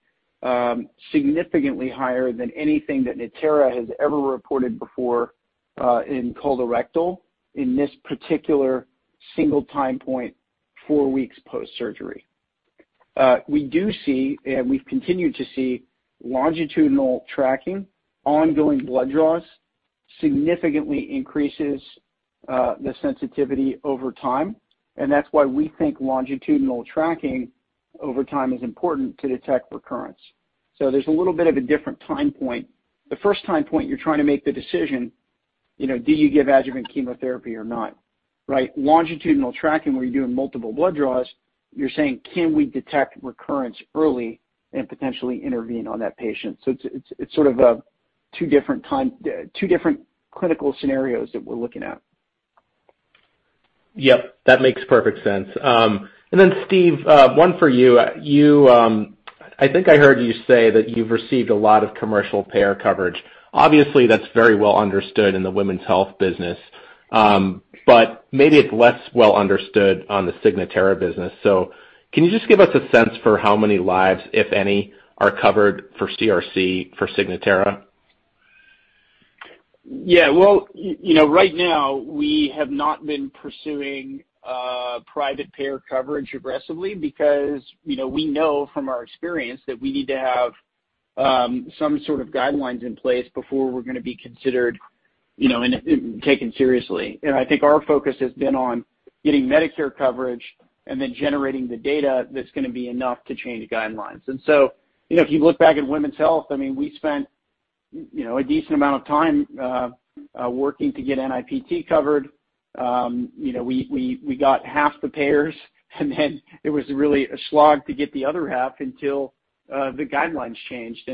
significantly higher than anything that Natera has ever reported before, in colorectal in this particular single time point, four weeks post-surgery. We do see, and we've continued to see longitudinal tracking, ongoing blood draws significantly increases the sensitivity over time, and that's why we think longitudinal tracking over time is important to detect recurrence. There's a little bit of a different time point. The first time point you're trying to make the decision, you know, do you give adjuvant chemotherapy or not, right? Longitudinal tracking where you're doing multiple blood draws, you're saying, can we detect recurrence early and potentially intervene on that patient? It's sort of two different clinical scenarios that we're looking at. Yep, that makes perfect sense. Steve, one for you. You, I think I heard you say that you've received a lot of commercial payer coverage. Obviously, that's very well understood in the women's health business, but maybe it's less well understood on the Signatera business. Can you just give us a sense for how many lives, if any, are covered for CRC for Signatera? Yeah. Well, you know, right now, we have not been pursuing private payer coverage aggressively because, you know, we know from our experience that we need to have some sort of guidelines in place before we're gonna be considered, you know, and taken seriously. I think our focus has been on getting Medicare coverage and then generating the data that's gonna be enough to change the guidelines. You know, if you look back at women's health, I mean, we spent, you know, a decent amount of time working to get NIPT covered. You know, we got half the payers, and then it was really a slog to get the other half until the guidelines changed.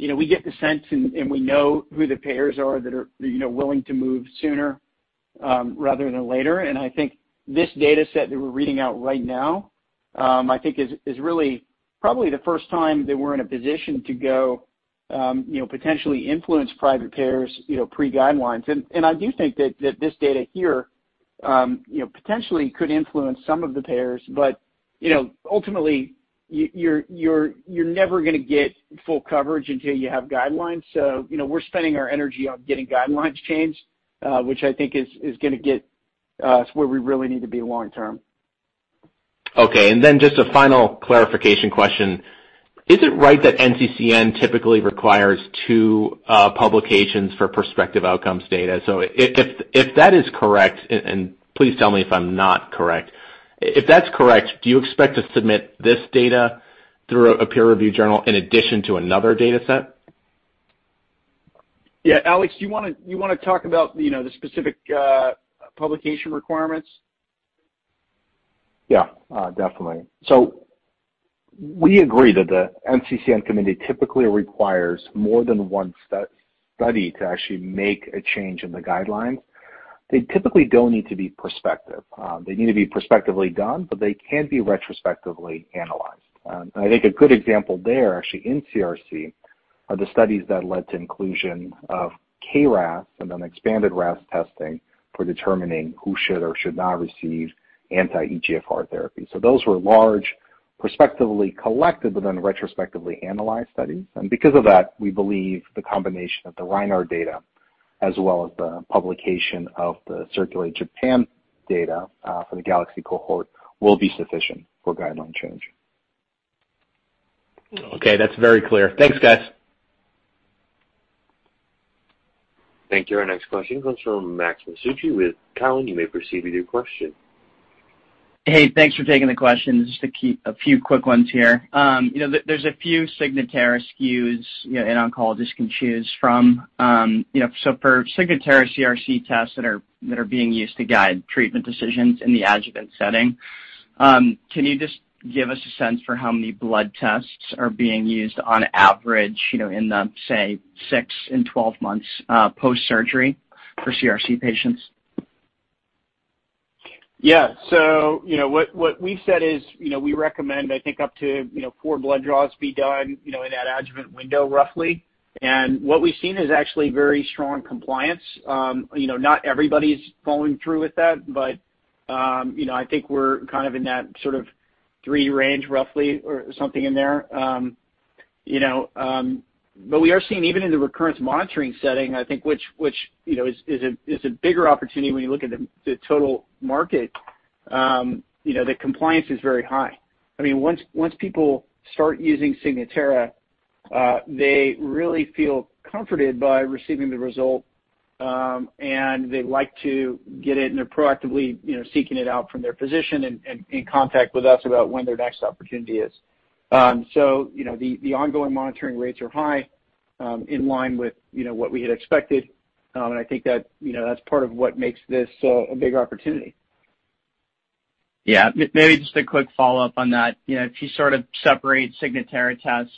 You know, we get the sense and we know who the payers are that are, you know, willing to move sooner, rather than later. I think this data set that we're reading out right now, I think is really probably the first time that we're in a position to go, you know, potentially influence private payers, you know, pre-guidelines. I do think that this data here, you know, potentially could influence some of the payers. You know, ultimately you're never gonna get full coverage until you have guidelines. You know, we're spending our energy on getting guidelines changed, which I think is gonna get us where we really need to be long term. Okay. Just a final clarification question. Is it right that NCCN typically requires two publications for prospective outcomes data? If that is correct, and please tell me if I'm not correct. If that's correct, do you expect to submit this data through a peer review journal in addition to another data set? Yeah. Alex, do you wanna talk about, you know, the specific publication requirements? Yeah. Definitely. We agree that the NCCN committee typically requires more than one study to actually make a change in the guidelines. They typically don't need to be prospective. They need to be prospectively done, but they can be retrospectively analyzed. I think a good example there actually in CRC are the studies that led to inclusion of KRAS and then expanded RAS testing for determining who should or should not receive anti-EGFR therapy. Those were large, prospectively collected, but then retrospectively analyzed studies. Because of that, we believe the combination of the Reinert data as well as the publication of the CIRCULATE-Japan data for the GALAXY cohort will be sufficient for guideline change. Okay. That's very clear. Thanks, guys. Thank you. Our next question comes from Max Masucci with Cowen. You may proceed with your question. Hey, thanks for taking the questions. Just a few quick ones here. You know, there's a few Signatera SKUs, you know, an oncologist can choose from. You know, so for Signatera CRC tests that are being used to guide treatment decisions in the adjuvant setting, can you just give us a sense for how many blood tests are being used on average, you know, in the, say, six and 12 months, post-surgery for CRC patients? Yeah. You know, what we've said is, you know, we recommend, I think, up to, you know, four blood draws be done, you know, in that adjuvant window roughly. What we've seen is actually very strong compliance. You know, not everybody's following through with that, but, you know, I think we're kind of in that sort of three range roughly or something in there. You know, but we are seeing even in the recurrence monitoring setting, I think which you know is a bigger opportunity when you look at the total market, you know, the compliance is very high. I mean, once people start using Signatera, they really feel comforted by receiving the result, and they like to get it and they're proactively seeking it out from their physician and in contact with us about when their next opportunity is. The ongoing monitoring rates are high, in line with what we had expected. I think that that's part of what makes this a big opportunity. Yeah. Maybe just a quick follow-up on that. You know, if you sort of separate Signatera tests,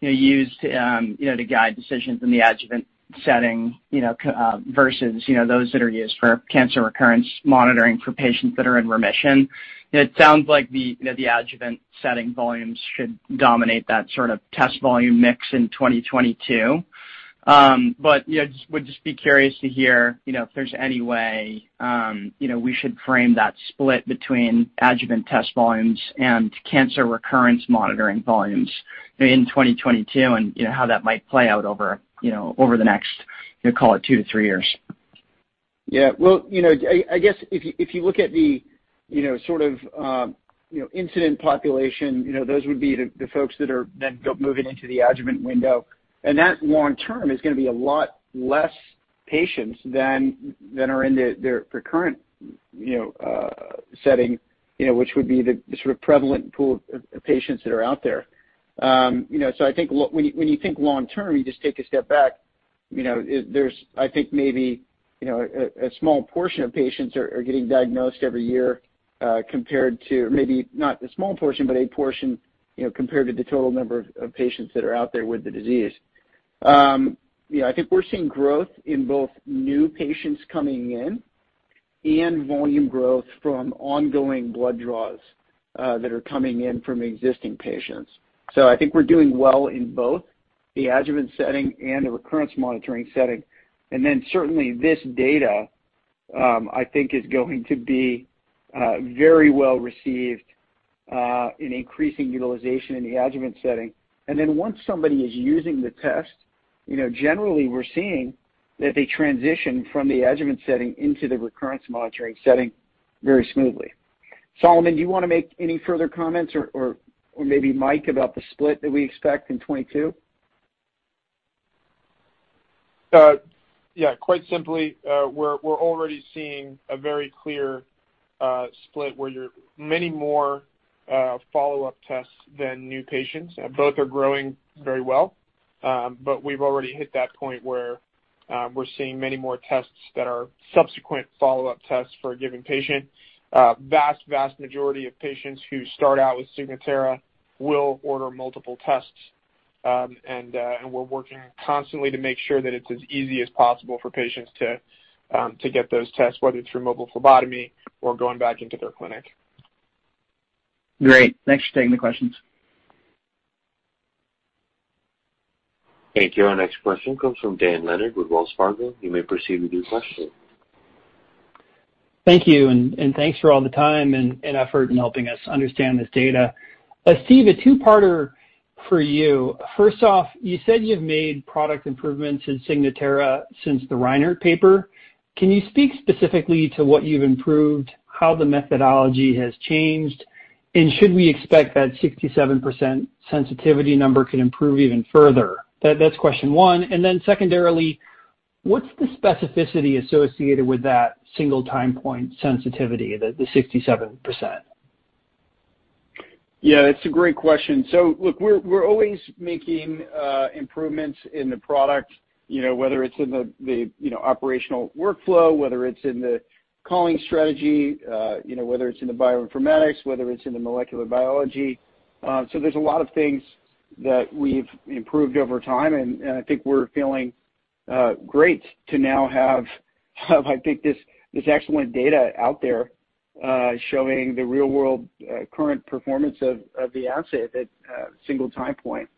you know, used, you know, to guide decisions in the adjuvant setting, you know, versus, you know, those that are used for cancer recurrence monitoring for patients that are in remission, it sounds like the, you know, the adjuvant setting volumes should dominate that sort of test volume mix in 2022. But yeah, just would be curious to hear, you know, if there's any way, you know, we should frame that split between adjuvant test volumes and cancer recurrence monitoring volumes in 2022, and, you know, how that might play out over, you know, over the next, you know, call it two to three years. Yeah. Well, you know, I guess if you look at the, you know, sort of, incident population, you know, those would be the folks that are then moving into the adjuvant window. That long term is gonna be a lot less patients than are in the recurrent, you know, setting, you know, which would be the sort of prevalent pool of patients that are out there. You know, I think when you think long term, you just take a step back, you know, there's I think maybe, you know, a small portion of patients are getting diagnosed every year, compared to maybe not a small portion, but a portion, you know, compared to the total number of patients that are out there with the disease. You know, I think we're seeing growth in both new patients coming in and volume growth from ongoing blood draws that are coming in from existing patients. I think we're doing well in both the adjuvant setting and the recurrence monitoring setting. Certainly this data I think is going to be very well received in increasing utilization in the adjuvant setting. Once somebody is using the test, you know, generally we're seeing that they transition from the adjuvant setting into the recurrence monitoring setting very smoothly. Solomon, do you wanna make any further comments or maybe Mike about the split that we expect in 2022? Yeah, quite simply, we're already seeing a very clear split where there are many more follow-up tests than new patients. Both are growing very well. We've already hit that point where we're seeing many more tests that are subsequent follow-up tests for a given patient. Vast majority of patients who start out with Signatera will order multiple tests. We're working constantly to make sure that it's as easy as possible for patients to get those tests, whether it's through mobile phlebotomy or going back into their clinic. Great. Thanks for taking the questions. Thank you. Our next question comes from Dan Leonard with Wells Fargo. You may proceed with your question. Thank you, and thanks for all the time and effort in helping us understand this data. Steve, a two-parter for you. First off, you said you've made product improvements in Signatera since the Reinert paper. Can you speak specifically to what you've improved, how the methodology has changed, and should we expect that 67% sensitivity number could improve even further? That's question one. And then secondarily, what's the specificity associated with that single time point sensitivity, the 67%? Yeah, it's a great question. Look, we're always making improvements in the product, you know, whether it's in the operational workflow, whether it's in the calling strategy, you know, whether it's in the bioinformatics, whether it's in the molecular biology. There's a lot of things that we've improved over time, and I think we're feeling great to now have this excellent data out there showing the real world current performance of the assay at a single time point.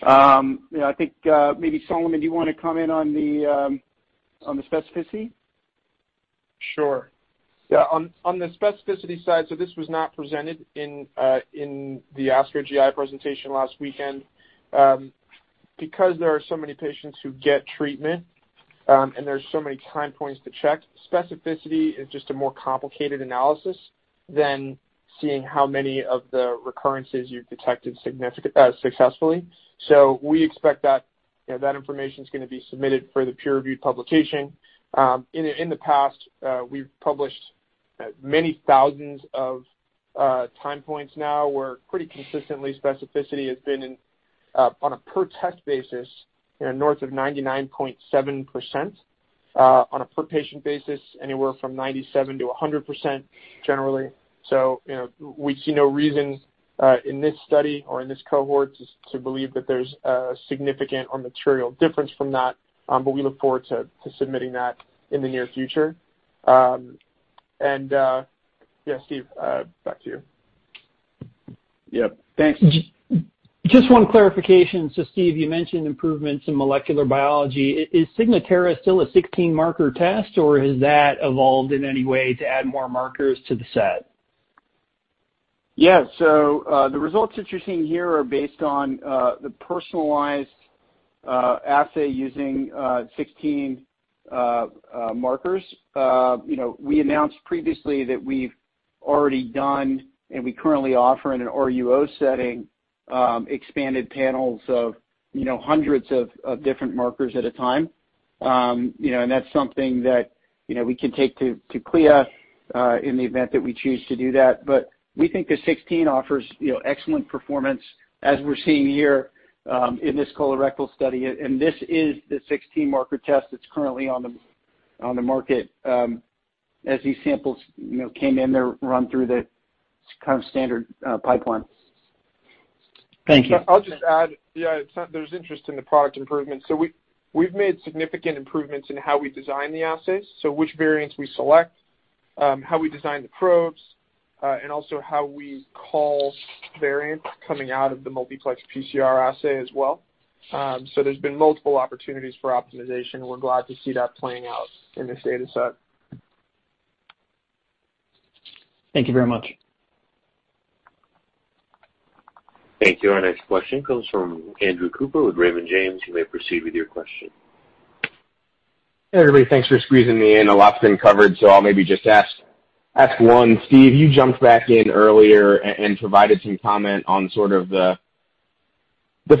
You know, I think maybe Solomon, do you wanna comment on the on the specificity? Sure. Yeah, on the specificity side, this was not presented in the ASCO GI presentation last weekend. Because there are so many patients who get treatment, and there's so many time points to check, specificity is just a more complicated analysis than seeing how many of the recurrences you've detected successfully. We expect that, you know, that information's gonna be submitted for the peer-reviewed publication. In the past, we've published many thousands of time points now, where pretty consistently specificity has been on a per test basis, you know, north of 99.7%. On a per patient basis, anywhere from 97%-100% generally. You know, we see no reason in this study or in this cohort to believe that there's a significant or material difference from that. But we look forward to submitting that in the near future. Yeah, Steve, back to you. Yep. Thanks. Just one clarification. Steve, you mentioned improvements in molecular biology. Is Signatera still a 16 marker test, or has that evolved in any way to add more markers to the set? Yeah, the results that you're seeing here are based on the personalized assay using 16 markers. You know, we announced previously that we've already done, and we currently offer in an RUO setting expanded panels of, you know, hundreds of different markers at a time. You know, that's something that, you know, we can take to CLIA in the event that we choose to do that. We think the 16 offers, you know, excellent performance as we're seeing here in this colorectal study. This is the 16-marker test that's currently on the market as these samples, you know, came in, they're run through the kind of standard pipeline. Thank you. I'll just add. Yeah, there's interest in the product improvements. We've made significant improvements in how we design the assays, so which variants we select, how we design the probes, and also how we call variants coming out of the multiplex PCR assay as well. There's been multiple opportunities for optimization. We're glad to see that playing out in this data set. Thank you very much. Thank you. Our next question comes from Andrew Cooper with Raymond James. You may proceed with your question. Hey, everybody. Thanks for squeezing me in. A lot's been covered, so I'll maybe just ask one. Steve, you jumped back in earlier and provided some comment on sort of the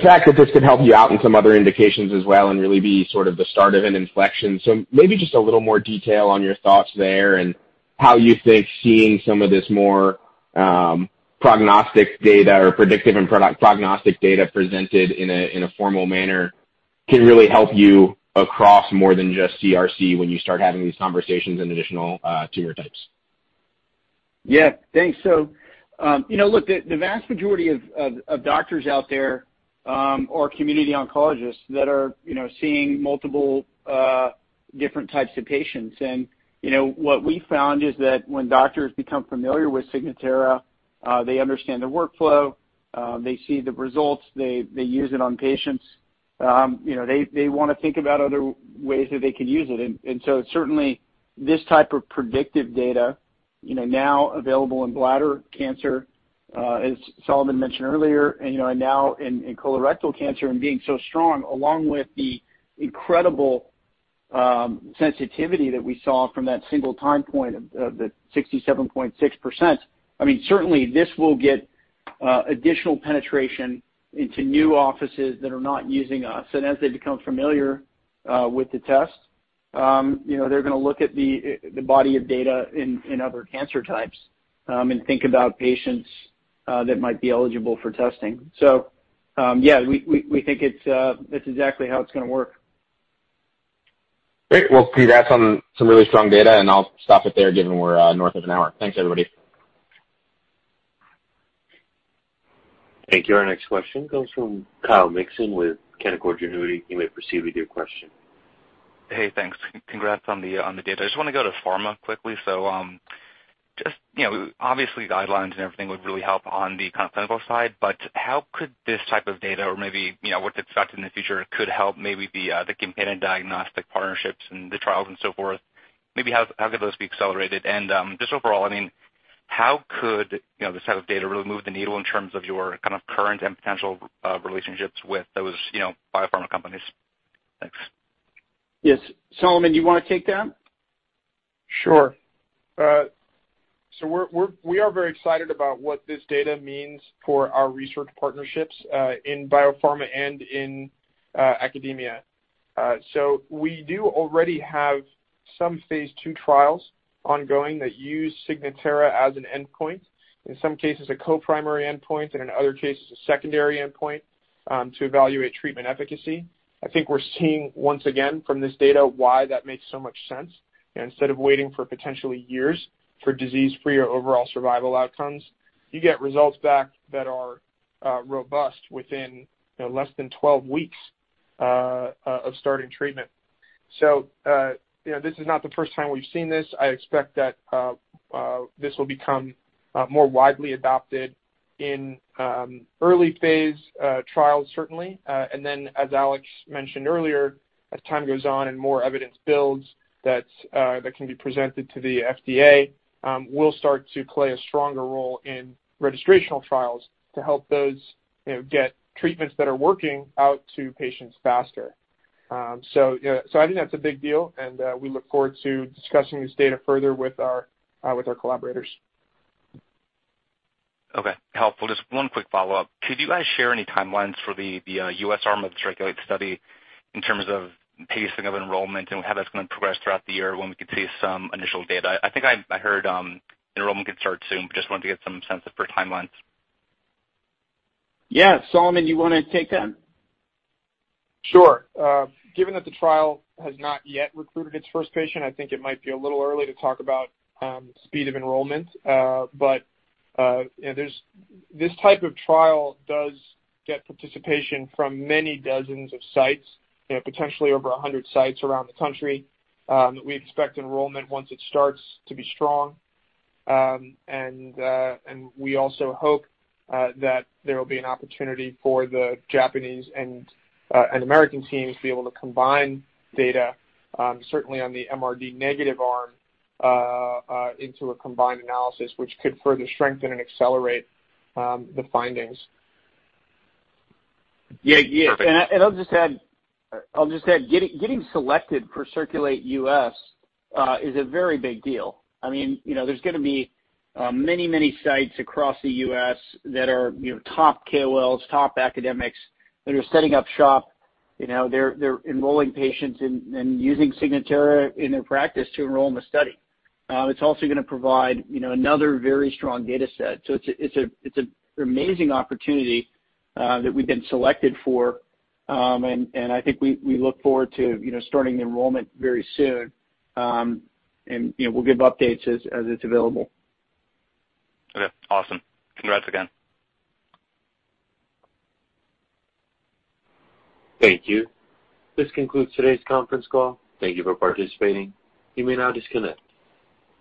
fact that this could help you out in some other indications as well and really be sort of the start of an inflection. Maybe just a little more detail on your thoughts there and how you think seeing some of this more prognostic data or predictive and product prognostic data presented in a formal manner can really help you across more than just CRC when you start having these conversations in additional tumor types. Yeah, thanks. You know, look, the vast majority of doctors out there are community oncologists that are, you know, seeing multiple different types of patients. What we found is that when doctors become familiar with Signatera, they understand the workflow, they see the results, they use it on patients, you know, they wanna think about other ways that they could use it. Certainly this type of predictive data, you know, now available in bladder cancer, as Solomon mentioned earlier, and you know, and now in colorectal cancer and being so strong along with the incredible sensitivity that we saw from that single time point of the 67.6%. I mean, certainly this will get additional penetration into new offices that are not using us. As they become familiar with the test, you know, they're gonna look at the body of data in other cancer types and think about patients that might be eligible for testing. Yeah, we think that's exactly how it's gonna work. Great. Well, Steve, that's some really strong data, and I'll stop it there given we're north of an hour. Thanks, everybody. Thank you. Our next question comes from Kyle Mikson with Canaccord Genuity. You may proceed with your question. Hey, thanks. Congrats on the data. I just wanna go to pharma quickly. Just, you know, obviously guidelines and everything would really help on the kind of clinical side, but how could this type of data or maybe, you know, what's expected in the future could help maybe the companion diagnostic partnerships and the trials and so forth. Maybe how could those be accelerated? Just overall, I mean, how could, you know, this type of data really move the needle in terms of your kind of current and potential relationships with those, you know, biopharma companies? Thanks. Yes. Solomon, do you wanna take that? Sure. We are very excited about what this data means for our research partnerships in biopharma and in academia. We do already have some phase II trials ongoing that use Signatera as an endpoint, in some cases a co-primary endpoint and in other cases a secondary endpoint, to evaluate treatment efficacy. I think we're seeing once again from this data why that makes so much sense. Instead of waiting for potentially years for disease-free or overall survival outcomes, you get results back that are robust within, you know, less than 12 weeks of starting treatment. You know, this is not the first time we've seen this. I expect that this will become more widely adopted in early-phase trials, certainly. As Alex mentioned earlier, as time goes on and more evidence builds that can be presented to the FDA, we'll start to play a stronger role in registrational trials to help those, you know, get treatments that are working out to patients faster. I think that's a big deal, and we look forward to discussing this data further with our collaborators. Okay. Helpful. Just one quick follow-up. Could you guys share any timelines for the US arm of the CIRCULATE study in terms of pacing of enrollment and how that's gonna progress throughout the year when we could see some initial data? I think I heard enrollment could start soon, but just wanted to get some sense of the timelines. Yeah. Solomon, you wanna take that? Sure. Given that the trial has not yet recruited its first patient, I think it might be a little early to talk about speed of enrollment. This type of trial does get participation from many dozens of sites, you know, potentially over 100 sites around the country that we expect enrollment once it starts to be strong. We also hope that there will be an opportunity for the Japanese and American teams to be able to combine data, certainly on the MRD negative arm, into a combined analysis, which could further strengthen and accelerate the findings. Yeah. Yeah. Perfect. I'll just add getting selected for CIRCULATE-US is a very big deal. I mean, you know, there's gonna be many sites across the U.S. that are, you know, top KOLs, top academics that are setting up shop. You know, they're enrolling patients and using Signatera in their practice to enroll in the study. It's also gonna provide, you know, another very strong data set. It's an amazing opportunity that we've been selected for. I think we look forward to, you know, starting the enrollment very soon. You know, we'll give updates as it's available. Okay. Awesome. Congrats again. Thank you. This concludes today's conference call. Thank you for participating. You may now disconnect.